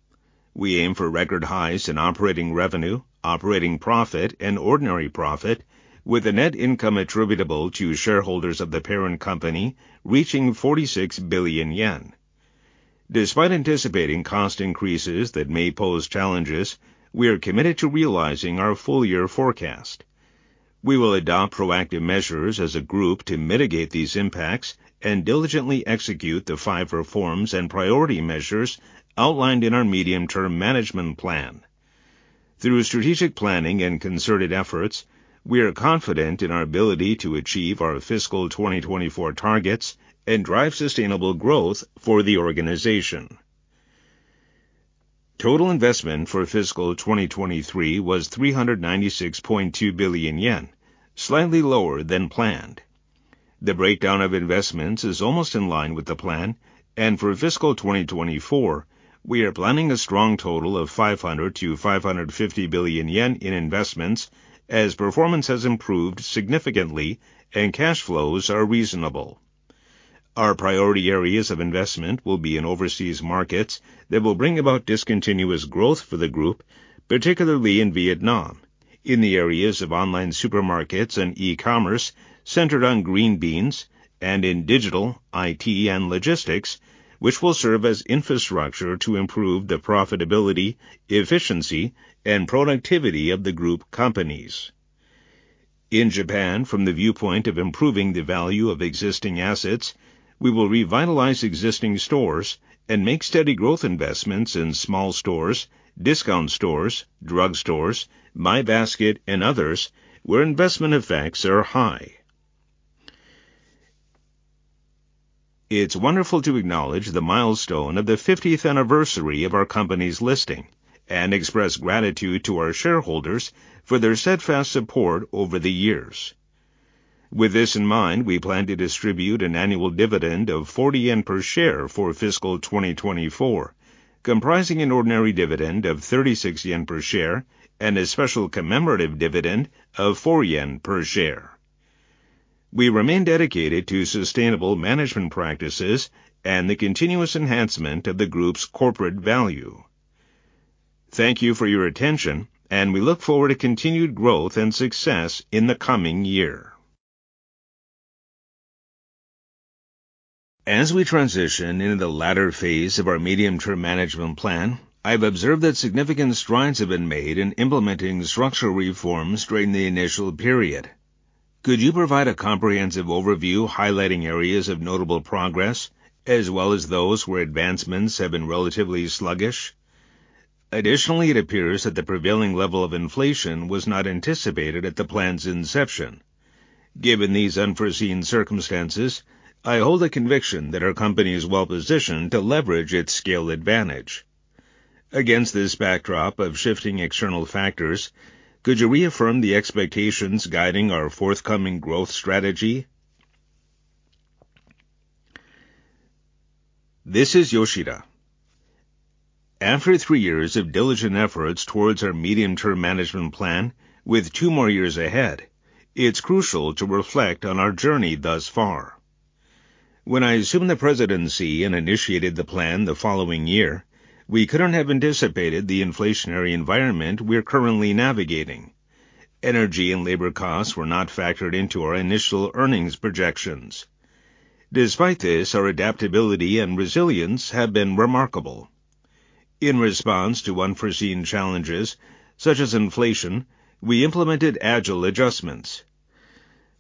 We aim for record highs in operating revenue, operating profit, and ordinary profit, with a net income attributable to shareholders of the parent company reaching 46 billion yen. Despite anticipating cost increases that may pose challenges, we are committed to realizing our full year forecast. We will adopt proactive measures as a group to mitigate these impacts and diligently execute the five reforms and priority measures outlined in our medium-term management plan. Through strategic planning and concerted efforts, we are confident in our ability to achieve our fiscal 2024 targets and drive sustainable growth for the organization. Total investment for fiscal 2023 was 396.2 billion yen, slightly lower than planned. The breakdown of investments is almost in line with the plan, and for fiscal 2024, we are planning a strong total of 500 billion-550 billion yen in investments, as performance has improved significantly and cash flows are reasonable. Our priority areas of investment will be in overseas markets that will bring about discontinuous growth for the Group, particularly in Vietnam, in the areas of online supermarkets and e-commerce centered on Green Beans and in digital, IT, and logistics, which will serve as infrastructure to improve the profitability, efficiency, and productivity of the Group companies. In Japan, from the viewpoint of improving the value of existing assets, we will revitalize existing stores and make steady growth investments in small stores, discount stores, drugstores, My Basket, and others, where investment effects are high. It's wonderful to acknowledge the milestone of the fiftieth anniversary of our company's listing and express gratitude to our shareholders for their steadfast support over the years. With this in mind, we plan to distribute an annual dividend of 40 yen per share for fiscal 2024, comprising an ordinary dividend of 36 yen per share and a special commemorative dividend of 4 yen per share. We remain dedicated to sustainable management practices and the continuous enhancement of the Group's corporate value. Thank you for your attention, and we look forward to continued growth and success in the coming year. As we transition into the latter phase of our medium-term management plan, I've observed that significant strides have been made in implementing structural reforms during the initial period. Could you provide a comprehensive overview highlighting areas of notable progress, as well as those where advancements have been relatively sluggish? Additionally, it appears that the prevailing level of inflation was not anticipated at the plan's inception. Given these unforeseen circumstances, I hold a conviction that our company is well-positioned to leverage its scale advantage. Against this backdrop of shifting external factors, could you reaffirm the expectations guiding our forthcoming growth strategy? This is Yoshida. After three years of diligent efforts towards our medium-term management plan, with two more years ahead, it's crucial to reflect on our journey thus far. When I assumed the presidency and initiated the plan the following year, we couldn't have anticipated the inflationary environment we are currently navigating. Energy and labor costs were not factored into our initial earnings projections. Despite this, our adaptability and resilience have been remarkable. In response to unforeseen challenges, such as inflation, we implemented agile adjustments.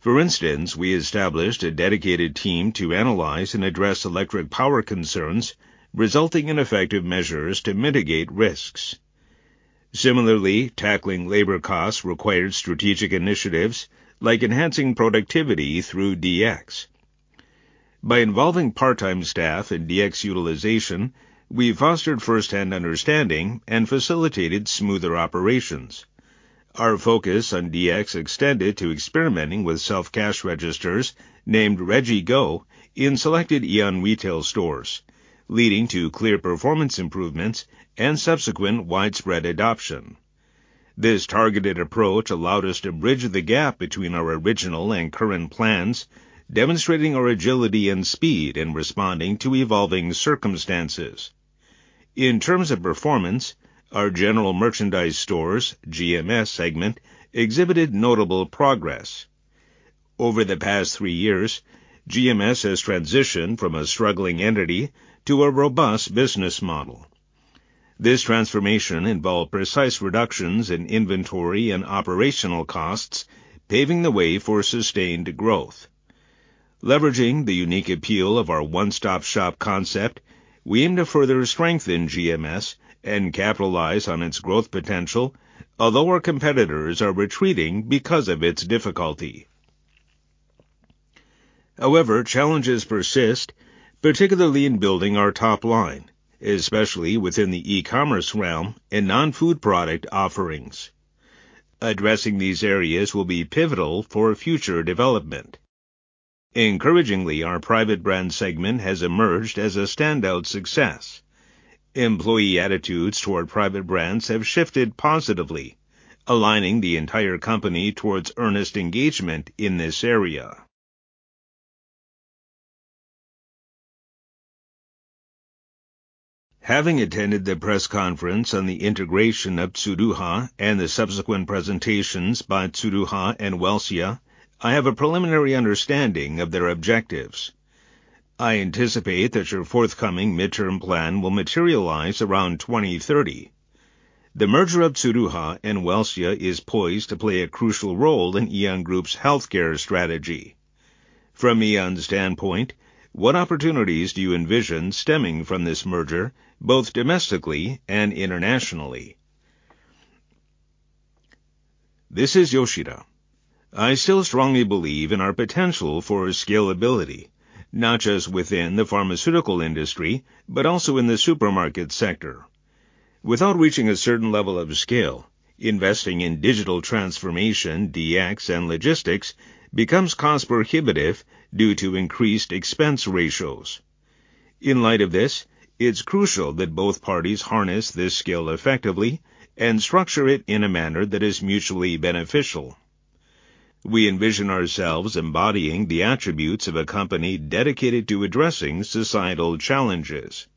For instance, we established a dedicated team to analyze and address electric power concerns, resulting in effective measures to mitigate risks.... Similarly, tackling labor costs required strategic initiatives like enhancing productivity through DX. By involving part-time staff in DX utilization, we fostered first-hand understanding and facilitated smoother operations. Our focus on DX extended to experimenting with self-cash registers named RegiGo in selected AEON retail stores, leading to clear performance improvements and subsequent widespread adoption. This targeted approach allowed us to bridge the gap between our original and current plans, demonstrating our agility and speed in responding to evolving circumstances. In terms of performance, our general merchandise stores, GMS segment, exhibited notable progress. Over the past three years, GMS has transitioned from a struggling entity to a robust business model. This transformation involved precise reductions in inventory and operational costs, paving the way for sustained growth. Leveraging the unique appeal of our one-stop-shop concept, we aim to further strengthen GMS and capitalize on its growth potential, although our competitors are retreating because of its difficulty. However, challenges persist, particularly in building our top line, especially within the e-commerce realm and non-food product offerings. Addressing these areas will be pivotal for future development. Encouragingly, our private brand segment has emerged as a standout success. Employee attitudes toward private brands have shifted positively, aligning the entire company towards earnest engagement in this area. Having attended the press conference on the integration of Tsuruha and the subsequent presentations by Tsuruha and Welcia, I have a preliminary understanding of their objectives. I anticipate that your forthcoming midterm plan will materialize around 2030. The merger of Tsuruha and Welcia is poised to play a crucial role in Aeon Group's healthcare strategy. From AEON's standpoint, what opportunities do you envision stemming from this merger, both domestically and internationally? This is Yoshida. I still strongly believe in our potential for scalability, not just within the pharmaceutical industry, but also in the supermarket sector. Without reaching a certain level of scale, investing in digital transformation, DX and logistics, becomes cost prohibitive due to increased expense ratios. In light of this, it's crucial that both parties harness this skill effectively and structure it in a manner that is mutually beneficial. We envision ourselves embodying the attributes of a company dedicated to addressing societal challenges.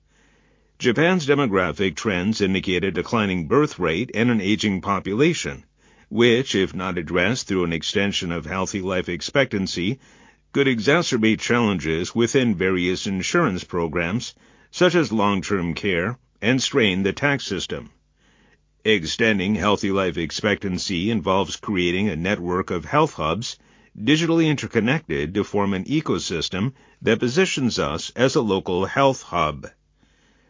Japan's demographic trends indicate a declining birth rate and an aging population, which, if not addressed through an extension of healthy life expectancy, could exacerbate challenges within various insurance programs, such as long-term care and strain the tax system. Extending healthy life expectancy involves creating a network of health hubs, digitally interconnected to form an ecosystem that positions us as a local health hub.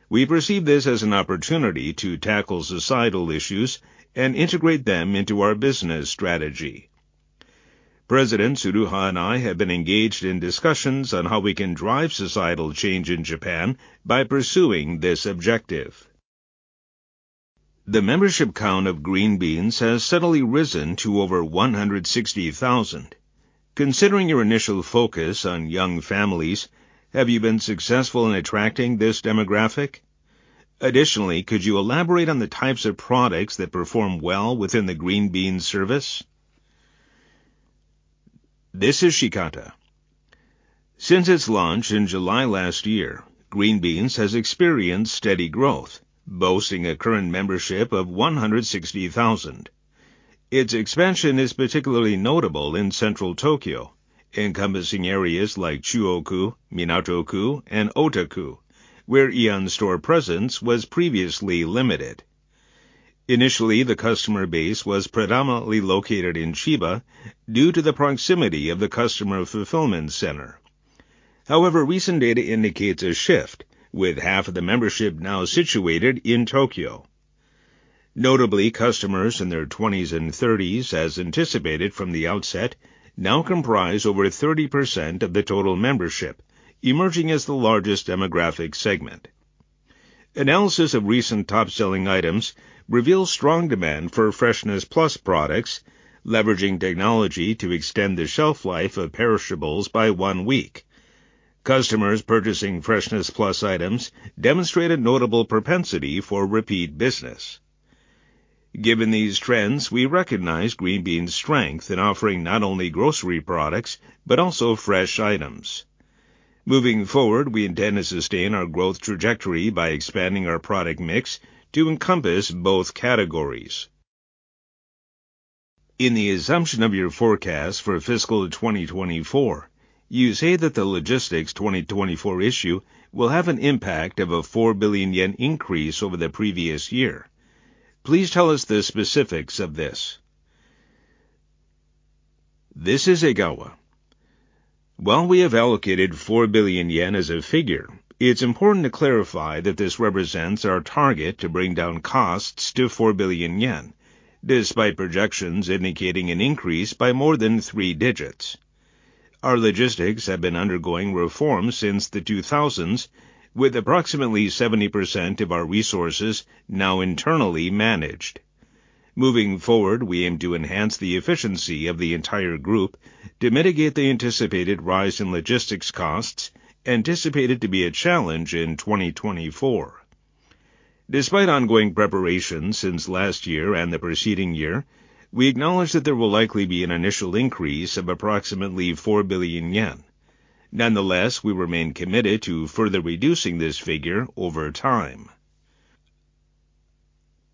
We perceive this as an opportunity to tackle societal issues and integrate them into our business strategy. President Tsuruha and I have been engaged in discussions on how we can drive societal change in Japan by pursuing this objective. The membership count of Green Beans has steadily risen to over 160,000. Considering your initial focus on young families, have you been successful in attracting this demographic? Additionally, could you elaborate on the types of products that perform well within the Green Beans service? This is Shikata. Since its launch in July last year, Green Beans has experienced steady growth, boasting a current membership of 160,000. Its expansion is particularly notable in central Tokyo, encompassing areas like Chūō-ku, Minato-ku, and Ōta-ku, where AEON store presence was previously limited. Initially, the customer base was predominantly located in Chiba due to the proximity of the customer fulfillment center. However, recent data indicates a shift, with half of the membership now situated in Tokyo. Notably, customers in their twenties and thirties, as anticipated from the outset, now comprise over 30% of the total membership, emerging as the largest demographic segment. Analysis of recent top-selling items reveals strong demand for Freshness Plus products, leveraging technology to extend the shelf life of perishables by one week. Customers purchasing Freshness Plus items demonstrated notable propensity for repeat business. Given these trends, we recognize Green Beans' strength in offering not only grocery products, but also fresh items. Moving forward, we intend to sustain our growth trajectory by expanding our product mix to encompass both categories. In the assumption of your forecast for fiscal 2024, you say that the Logistics 2024 issue will have an impact of a 4 billion yen increase over the previous year. Please tell us the specifics of this. This is Egawa. While we have allocated 4 billion yen as a figure, it's important to clarify that this represents our target to bring down costs to 4 billion yen, despite projections indicating an increase by more than three digits. Our logistics have been undergoing reforms since the 2000s, with approximately 70% of our resources now internally managed. Moving forward, we aim to enhance the efficiency of the entire group to mitigate the anticipated rise in logistics costs, anticipated to be a challenge in 2024. Despite ongoing preparations since last year and the preceding year, we acknowledge that there will likely be an initial increase of approximately 4 billion yen. Nonetheless, we remain committed to further reducing this figure over time.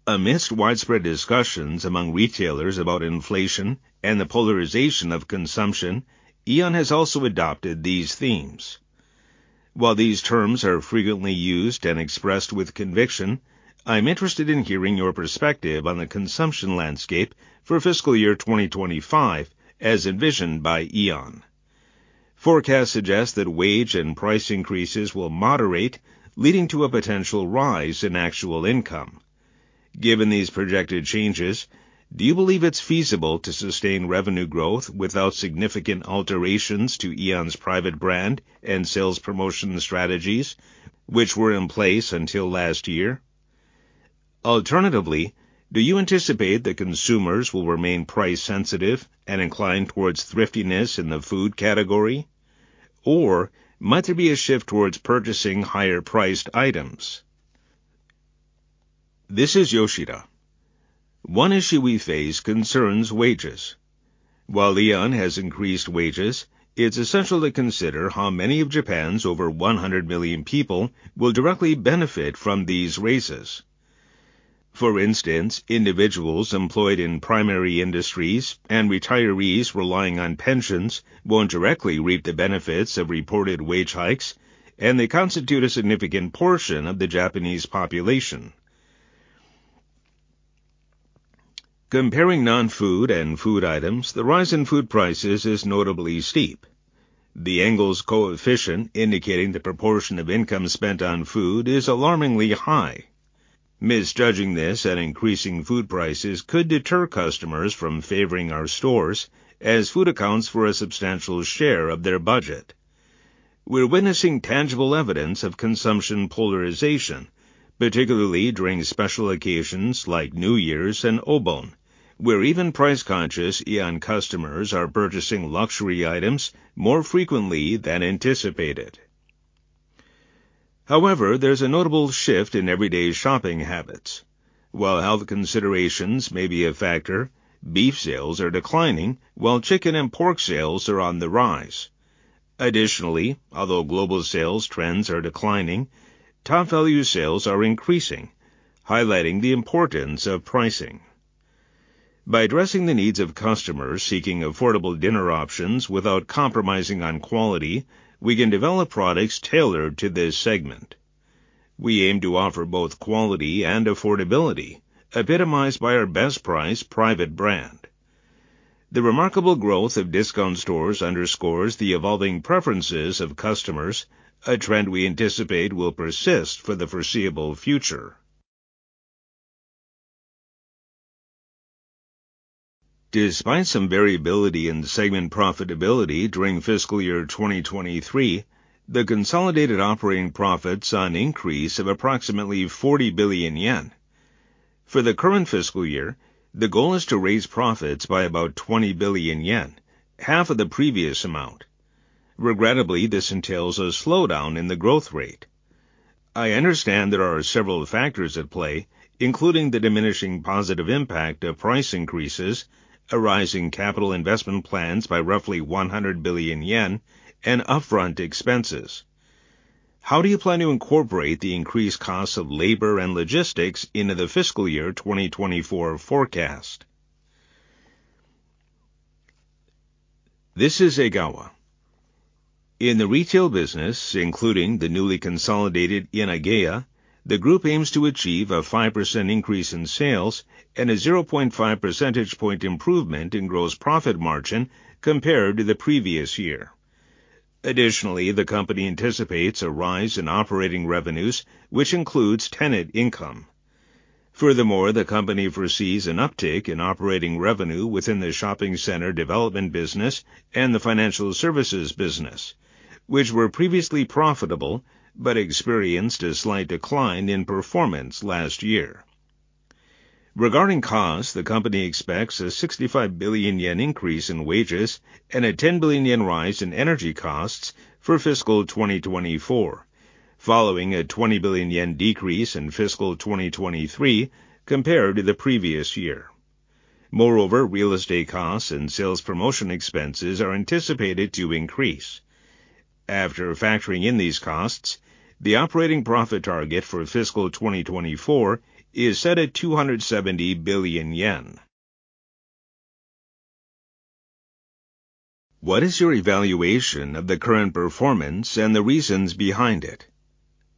Amidst widespread discussions among retailers about inflation and the polarization of consumption, AEON has also adopted these themes. While these terms are frequently used and expressed with conviction, I'm interested in hearing your perspective on the consumption landscape for fiscal year 2025, as envisioned by AEON. Forecasts suggest that wage and price increases will moderate, leading to a potential rise in actual income. Given these projected changes, do you believe it's feasible to sustain revenue growth without significant alterations to AEON's private brand and sales promotion strategies, which were in place until last year? Alternatively, do you anticipate that consumers will remain price-sensitive and inclined towards thriftiness in the food category? Or might there be a shift towards purchasing higher-priced items? This is Yoshida. One issue we face concerns wages. While AEON has increased wages, it's essential to consider how many of Japan's over 100 million people will directly benefit from these raises. For instance, individuals employed in primary industries and retirees relying on pensions won't directly reap the benefits of reported wage hikes, and they constitute a significant portion of the Japanese population. Comparing non-food and food items, the rise in food prices is notably steep. The Engel's coefficient, indicating the proportion of income spent on food, is alarmingly high. Misjudging this and increasing food prices could deter customers from favoring our stores, as food accounts for a substantial share of their budget. We're witnessing tangible evidence of consumption polarization, particularly during special occasions like New Year's and Obon, where even price-conscious AEON customers are purchasing luxury items more frequently than anticipated. However, there's a notable shift in everyday shopping habits. While health considerations may be a factor, beef sales are declining, while chicken and pork sales are on the rise. Additionally, although global sales trends are declining, TOPVALU sales are increasing, highlighting the importance of pricing. By addressing the needs of customers seeking affordable dinner options without compromising on quality, we can develop products tailored to this segment. We aim to offer both quality and affordability, epitomized by our BESTPRICE private brand. The remarkable growth of discount stores underscores the evolving preferences of customers, a trend we anticipate will persist for the foreseeable future. Despite some variability in segment profitability during fiscal year 2023, the consolidated operating profits saw an increase of approximately 40 billion yen. For the current fiscal year, the goal is to raise profits by about 20 billion yen, half of the previous amount. Regrettably, this entails a slowdown in the growth rate. I understand there are several factors at play, including the diminishing positive impact of price increases, a rise in capital investment plans by roughly 100 billion yen, and upfront expenses. How do you plan to incorporate the increased costs of labor and logistics into the fiscal year 2024 forecast? This is Egawa. In the retail business, including the newly consolidated Yanageya, the group aims to achieve a 5% increase in sales and a 0.5 percentage point improvement in gross profit margin compared to the previous year. Additionally, the company anticipates a rise in operating revenues, which includes tenant income. Furthermore, the company foresees an uptick in operating revenue within the shopping center development business and the financial services business, which were previously profitable but experienced a slight decline in performance last year. Regarding costs, the company expects a 65 billion yen increase in wages and a 10 billion yen rise in energy costs for fiscal 2024, following a 20 billion yen decrease in fiscal 2023 compared to the previous year. Moreover, real estate costs and sales promotion expenses are anticipated to increase. After factoring in these costs, the operating profit target for fiscal 2024 is set at 270 billion yen. What is your evaluation of the current performance and the reasons behind it?...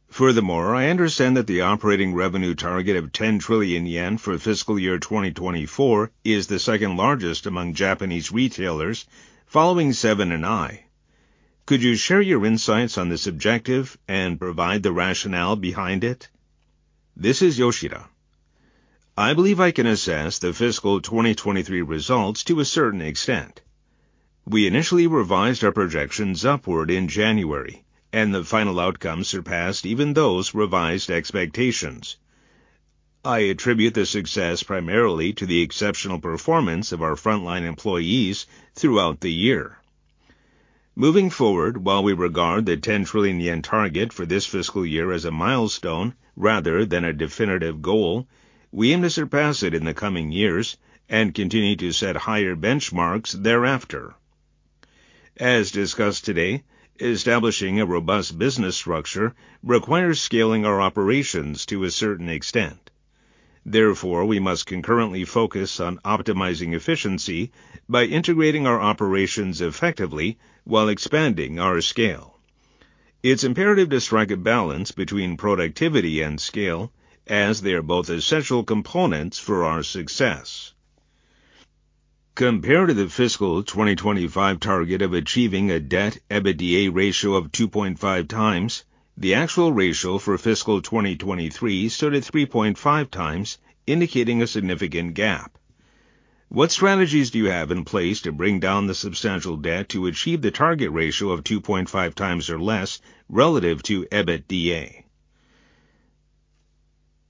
Furthermore, I understand that the operating revenue target of 10 trillion yen for fiscal year 2024 is the second largest among Japanese retailers, following Seven & i. Could you share your insights on this objective and provide the rationale behind it? This is Yoshida. I believe I can assess the fiscal 2023 results to a certain extent. We initially revised our projections upward in January, and the final outcome surpassed even those revised expectations. I attribute the success primarily to the exceptional performance of our frontline employees throughout the year. Moving forward, while we regard the 10 trillion yen target for this fiscal year as a milestone rather than a definitive goal, we aim to surpass it in the coming years and continue to set higher benchmarks thereafter. As discussed today, establishing a robust business structure requires scaling our operations to a certain extent. Therefore, we must concurrently focus on optimizing efficiency by integrating our operations effectively while expanding our scale. It's imperative to strike a balance between productivity and scale, as they are both essential components for our success. Compared to the fiscal 2025 target of achieving a debt EBITDA ratio of 2.5 times, the actual ratio for fiscal 2023 stood at 3.5 times, indicating a significant gap. What strategies do you have in place to bring down the substantial debt to achieve the target ratio of 2.5 times or less relative to EBITDA?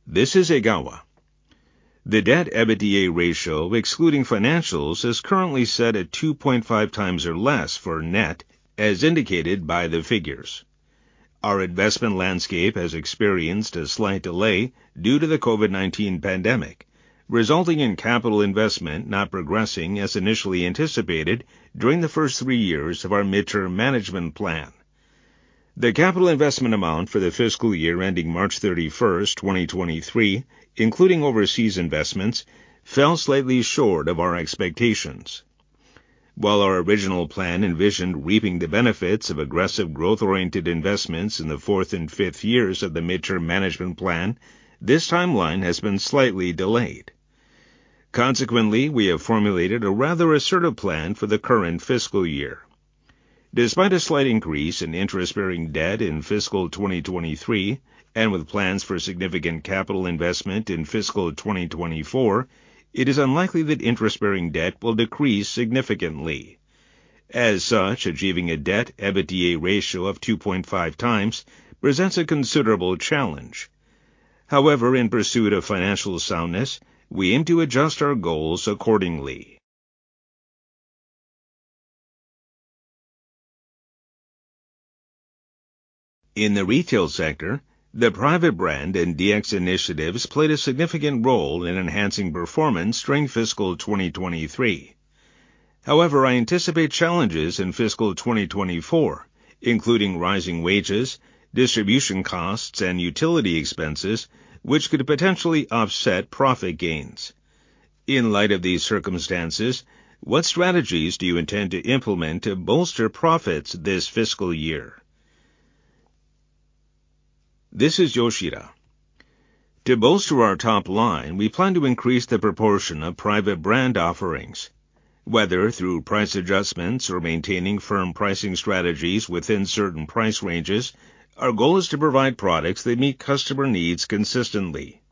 This is Egawa. The debt EBITDA ratio, excluding financials, is currently set at 2.5 times or less for net, as indicated by the figures. Our investment landscape has experienced a slight delay due to the COVID-19 pandemic, resulting in capital investment not progressing as initially anticipated during the first three years of our midterm management plan. The capital investment amount for the fiscal year ending March 31, 2023, including overseas investments, fell slightly short of our expectations. While our original plan envisioned reaping the benefits of aggressive growth-oriented investments in the fourth and fifth years of the midterm management plan, this timeline has been slightly delayed. Consequently, we have formulated a rather assertive plan for the current fiscal year. Despite a slight increase in interest-bearing debt in fiscal 2023 and with plans for significant capital investment in fiscal 2024, it is unlikely that interest-bearing debt will decrease significantly. As such, achieving a debt EBITDA ratio of 2.5 times presents a considerable challenge. However, in pursuit of financial soundness, we aim to adjust our goals accordingly. In the retail sector, the private brand and DX initiatives played a significant role in enhancing performance during fiscal 2023. However, I anticipate challenges in fiscal 2024, including rising wages, distribution costs, and utility expenses, which could potentially offset profit gains. In light of these circumstances, what strategies do you intend to implement to bolster profits this fiscal year? This is Yoshida. To bolster our top line, we plan to increase the proportion of private brand offerings, whether through price adjustments or maintaining firm pricing strategies within certain price ranges. Our goal is to provide products that meet customer needs consistently.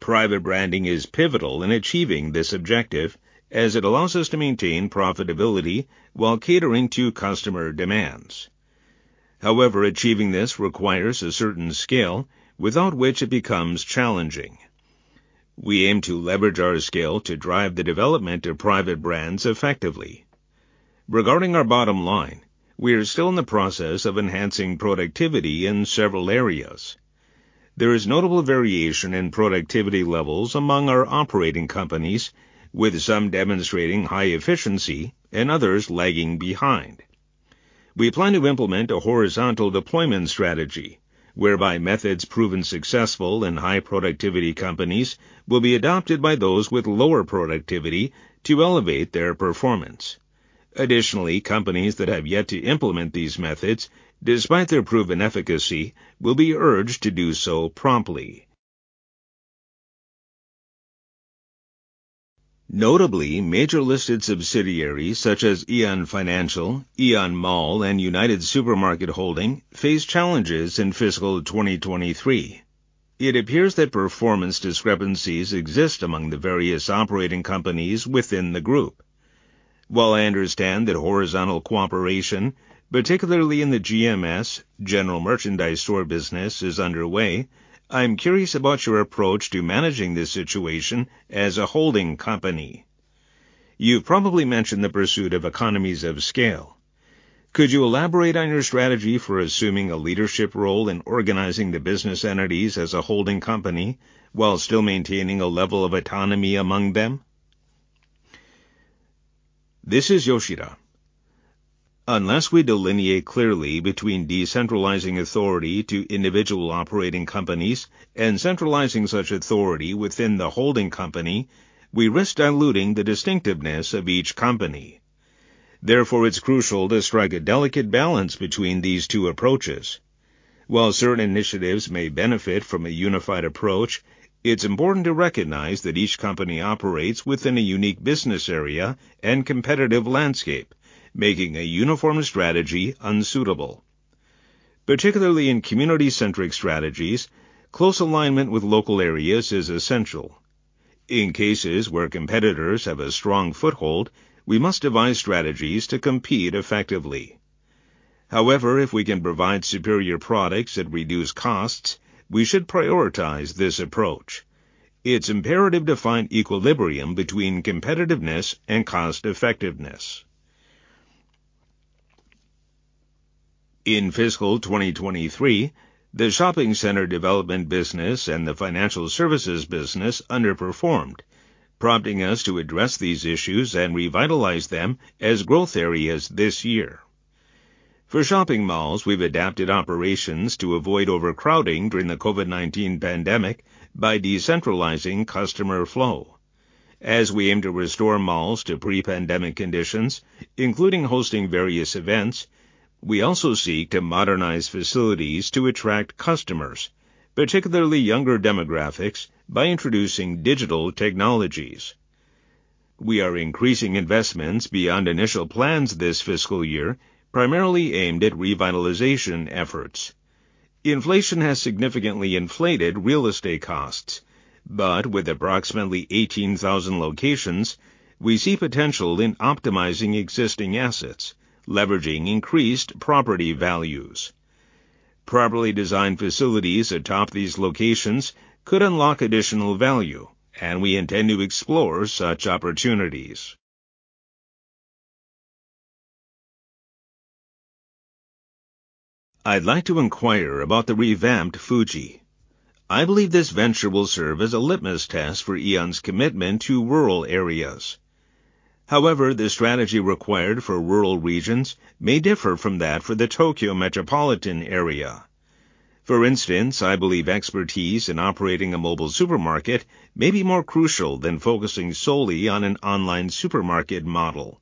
Private branding is pivotal in achieving this objective, as it allows us to maintain profitability while catering to customer demands. However, achieving this requires a certain scale, without which it becomes challenging. We aim to leverage our scale to drive the development of private brands effectively. Regarding our bottom line, we are still in the process of enhancing productivity in several areas. There is notable variation in productivity levels among our operating companies, with some demonstrating high efficiency and others lagging behind. We plan to implement a horizontal deployment strategy, whereby methods proven successful in high-productivity companies will be adopted by those with lower productivity to elevate their performance. Additionally, companies that have yet to implement these methods, despite their proven efficacy, will be urged to do so promptly. Notably, major-listed subsidiaries such as AEON Financial, AEON Mall, and United Supermarket Holdings faced challenges in fiscal 2023. It appears that performance discrepancies exist among the various operating companies within the group. While I understand that horizontal cooperation, particularly in the GMS, General Merchandise Store business, is underway, I'm curious about your approach to managing this situation as a holding company. You've probably mentioned the pursuit of economies of scale. Could you elaborate on your strategy for assuming a leadership role in organizing the business entities as a holding company while still maintaining a level of autonomy among them? This is Yoshida. Unless we delineate clearly between decentralizing authority to individual operating companies and centralizing such authority within the holding company, we risk diluting the distinctiveness of each company.... Therefore, it's crucial to strike a delicate balance between these two approaches. While certain initiatives may benefit from a unified approach, it's important to recognize that each company operates within a unique business area and competitive landscape, making a uniform strategy unsuitable. Particularly in community-centric strategies, close alignment with local areas is essential. In cases where competitors have a strong foothold, we must devise strategies to compete effectively. However, if we can provide superior products at reduced costs, we should prioritize this approach. It's imperative to find equilibrium between competitiveness and cost-effectiveness. In fiscal 2023, the shopping center development business and the financial services business underperformed, prompting us to address these issues and revitalize them as growth areas this year. For shopping malls, we've adapted operations to avoid overcrowding during the COVID-19 pandemic by decentralizing customer flow. As we aim to restore malls to pre-pandemic conditions, including hosting various events, we also seek to modernize facilities to attract customers, particularly younger demographics, by introducing digital technologies. We are increasing investments beyond initial plans this fiscal year, primarily aimed at revitalization efforts. Inflation has significantly inflated real estate costs, but with approximately 18,000 locations, we see potential in optimizing existing assets, leveraging increased property values. Properly designed facilities atop these locations could unlock additional value, and we intend to explore such opportunities. I'd like to inquire about the revamped Fuji. I believe this venture will serve as a litmus test for AEON's commitment to rural areas. However, the strategy required for rural regions may differ from that for the Tokyo metropolitan area. For instance, I believe expertise in operating a mobile supermarket may be more crucial than focusing solely on an online supermarket model.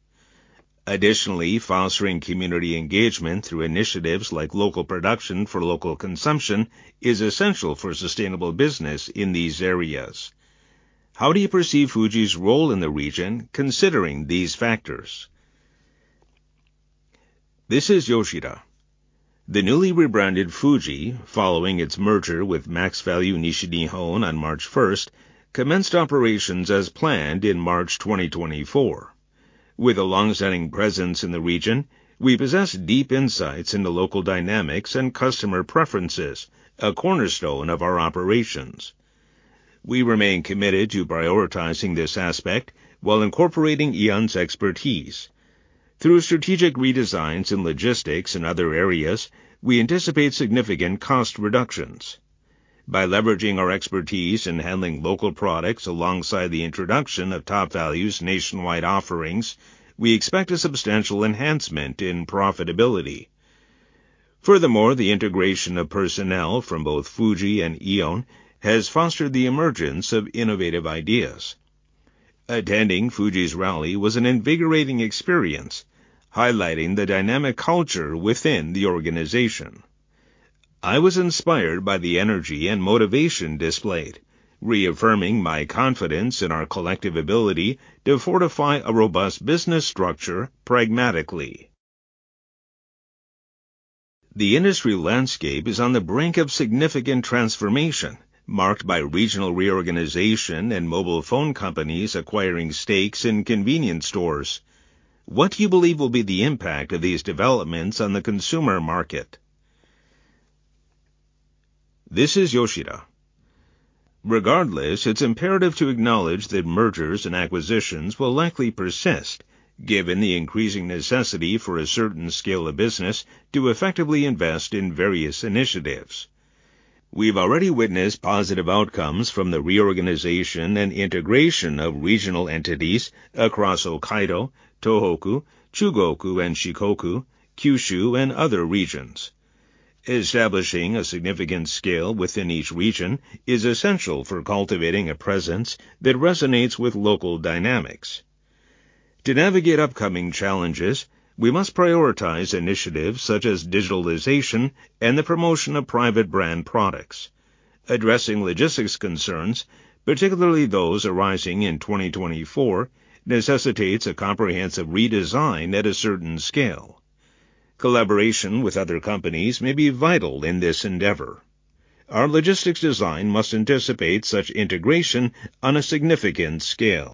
Additionally, fostering community engagement through initiatives like local production for local consumption is essential for sustainable business in these areas. How do you perceive Fuji's role in the region considering these factors? This is Yoshida. The newly rebranded Fuji, following its merger with MaxValu Nishi Nihon on March 1, commenced operations as planned in March 2024. With a long-standing presence in the region, we possess deep insights into local dynamics and customer preferences, a cornerstone of our operations. We remain committed to prioritizing this aspect while incorporating AEON's expertise. Through strategic redesigns in logistics and other areas, we anticipate significant cost reductions. By leveraging our expertise in handling local products alongside the introduction of TOPVALU's nationwide offerings, we expect a substantial enhancement in profitability. Furthermore, the integration of personnel from both Fuji and AEON has fostered the emergence of innovative ideas. Attending Fuji's rally was an invigorating experience, highlighting the dynamic culture within the organization. I was inspired by the energy and motivation displayed, reaffirming my confidence in our collective ability to fortify a robust business structure pragmatically. The industry landscape is on the brink of significant transformation, marked by regional reorganization and mobile phone companies acquiring stakes in convenience stores. What do you believe will be the impact of these developments on the consumer market? This is Yoshida. Regardless, it's imperative to acknowledge that mergers and acquisitions will likely persist, given the increasing necessity for a certain scale of business to effectively invest in various initiatives. We've already witnessed positive outcomes from the reorganization and integration of regional entities across Hokkaido, Tohoku, Chugoku, and Shikoku, Kyushu, and other regions. Establishing a significant scale within each region is essential for cultivating a presence that resonates with local dynamics. To navigate upcoming challenges, we must prioritize initiatives such as digitalization and the promotion of private brand products. Addressing logistics concerns, particularly those arising in 2024, necessitates a comprehensive redesign at a certain scale. Collaboration with other companies may be vital in this endeavor. Our logistics design must anticipate such integration on a significant scale.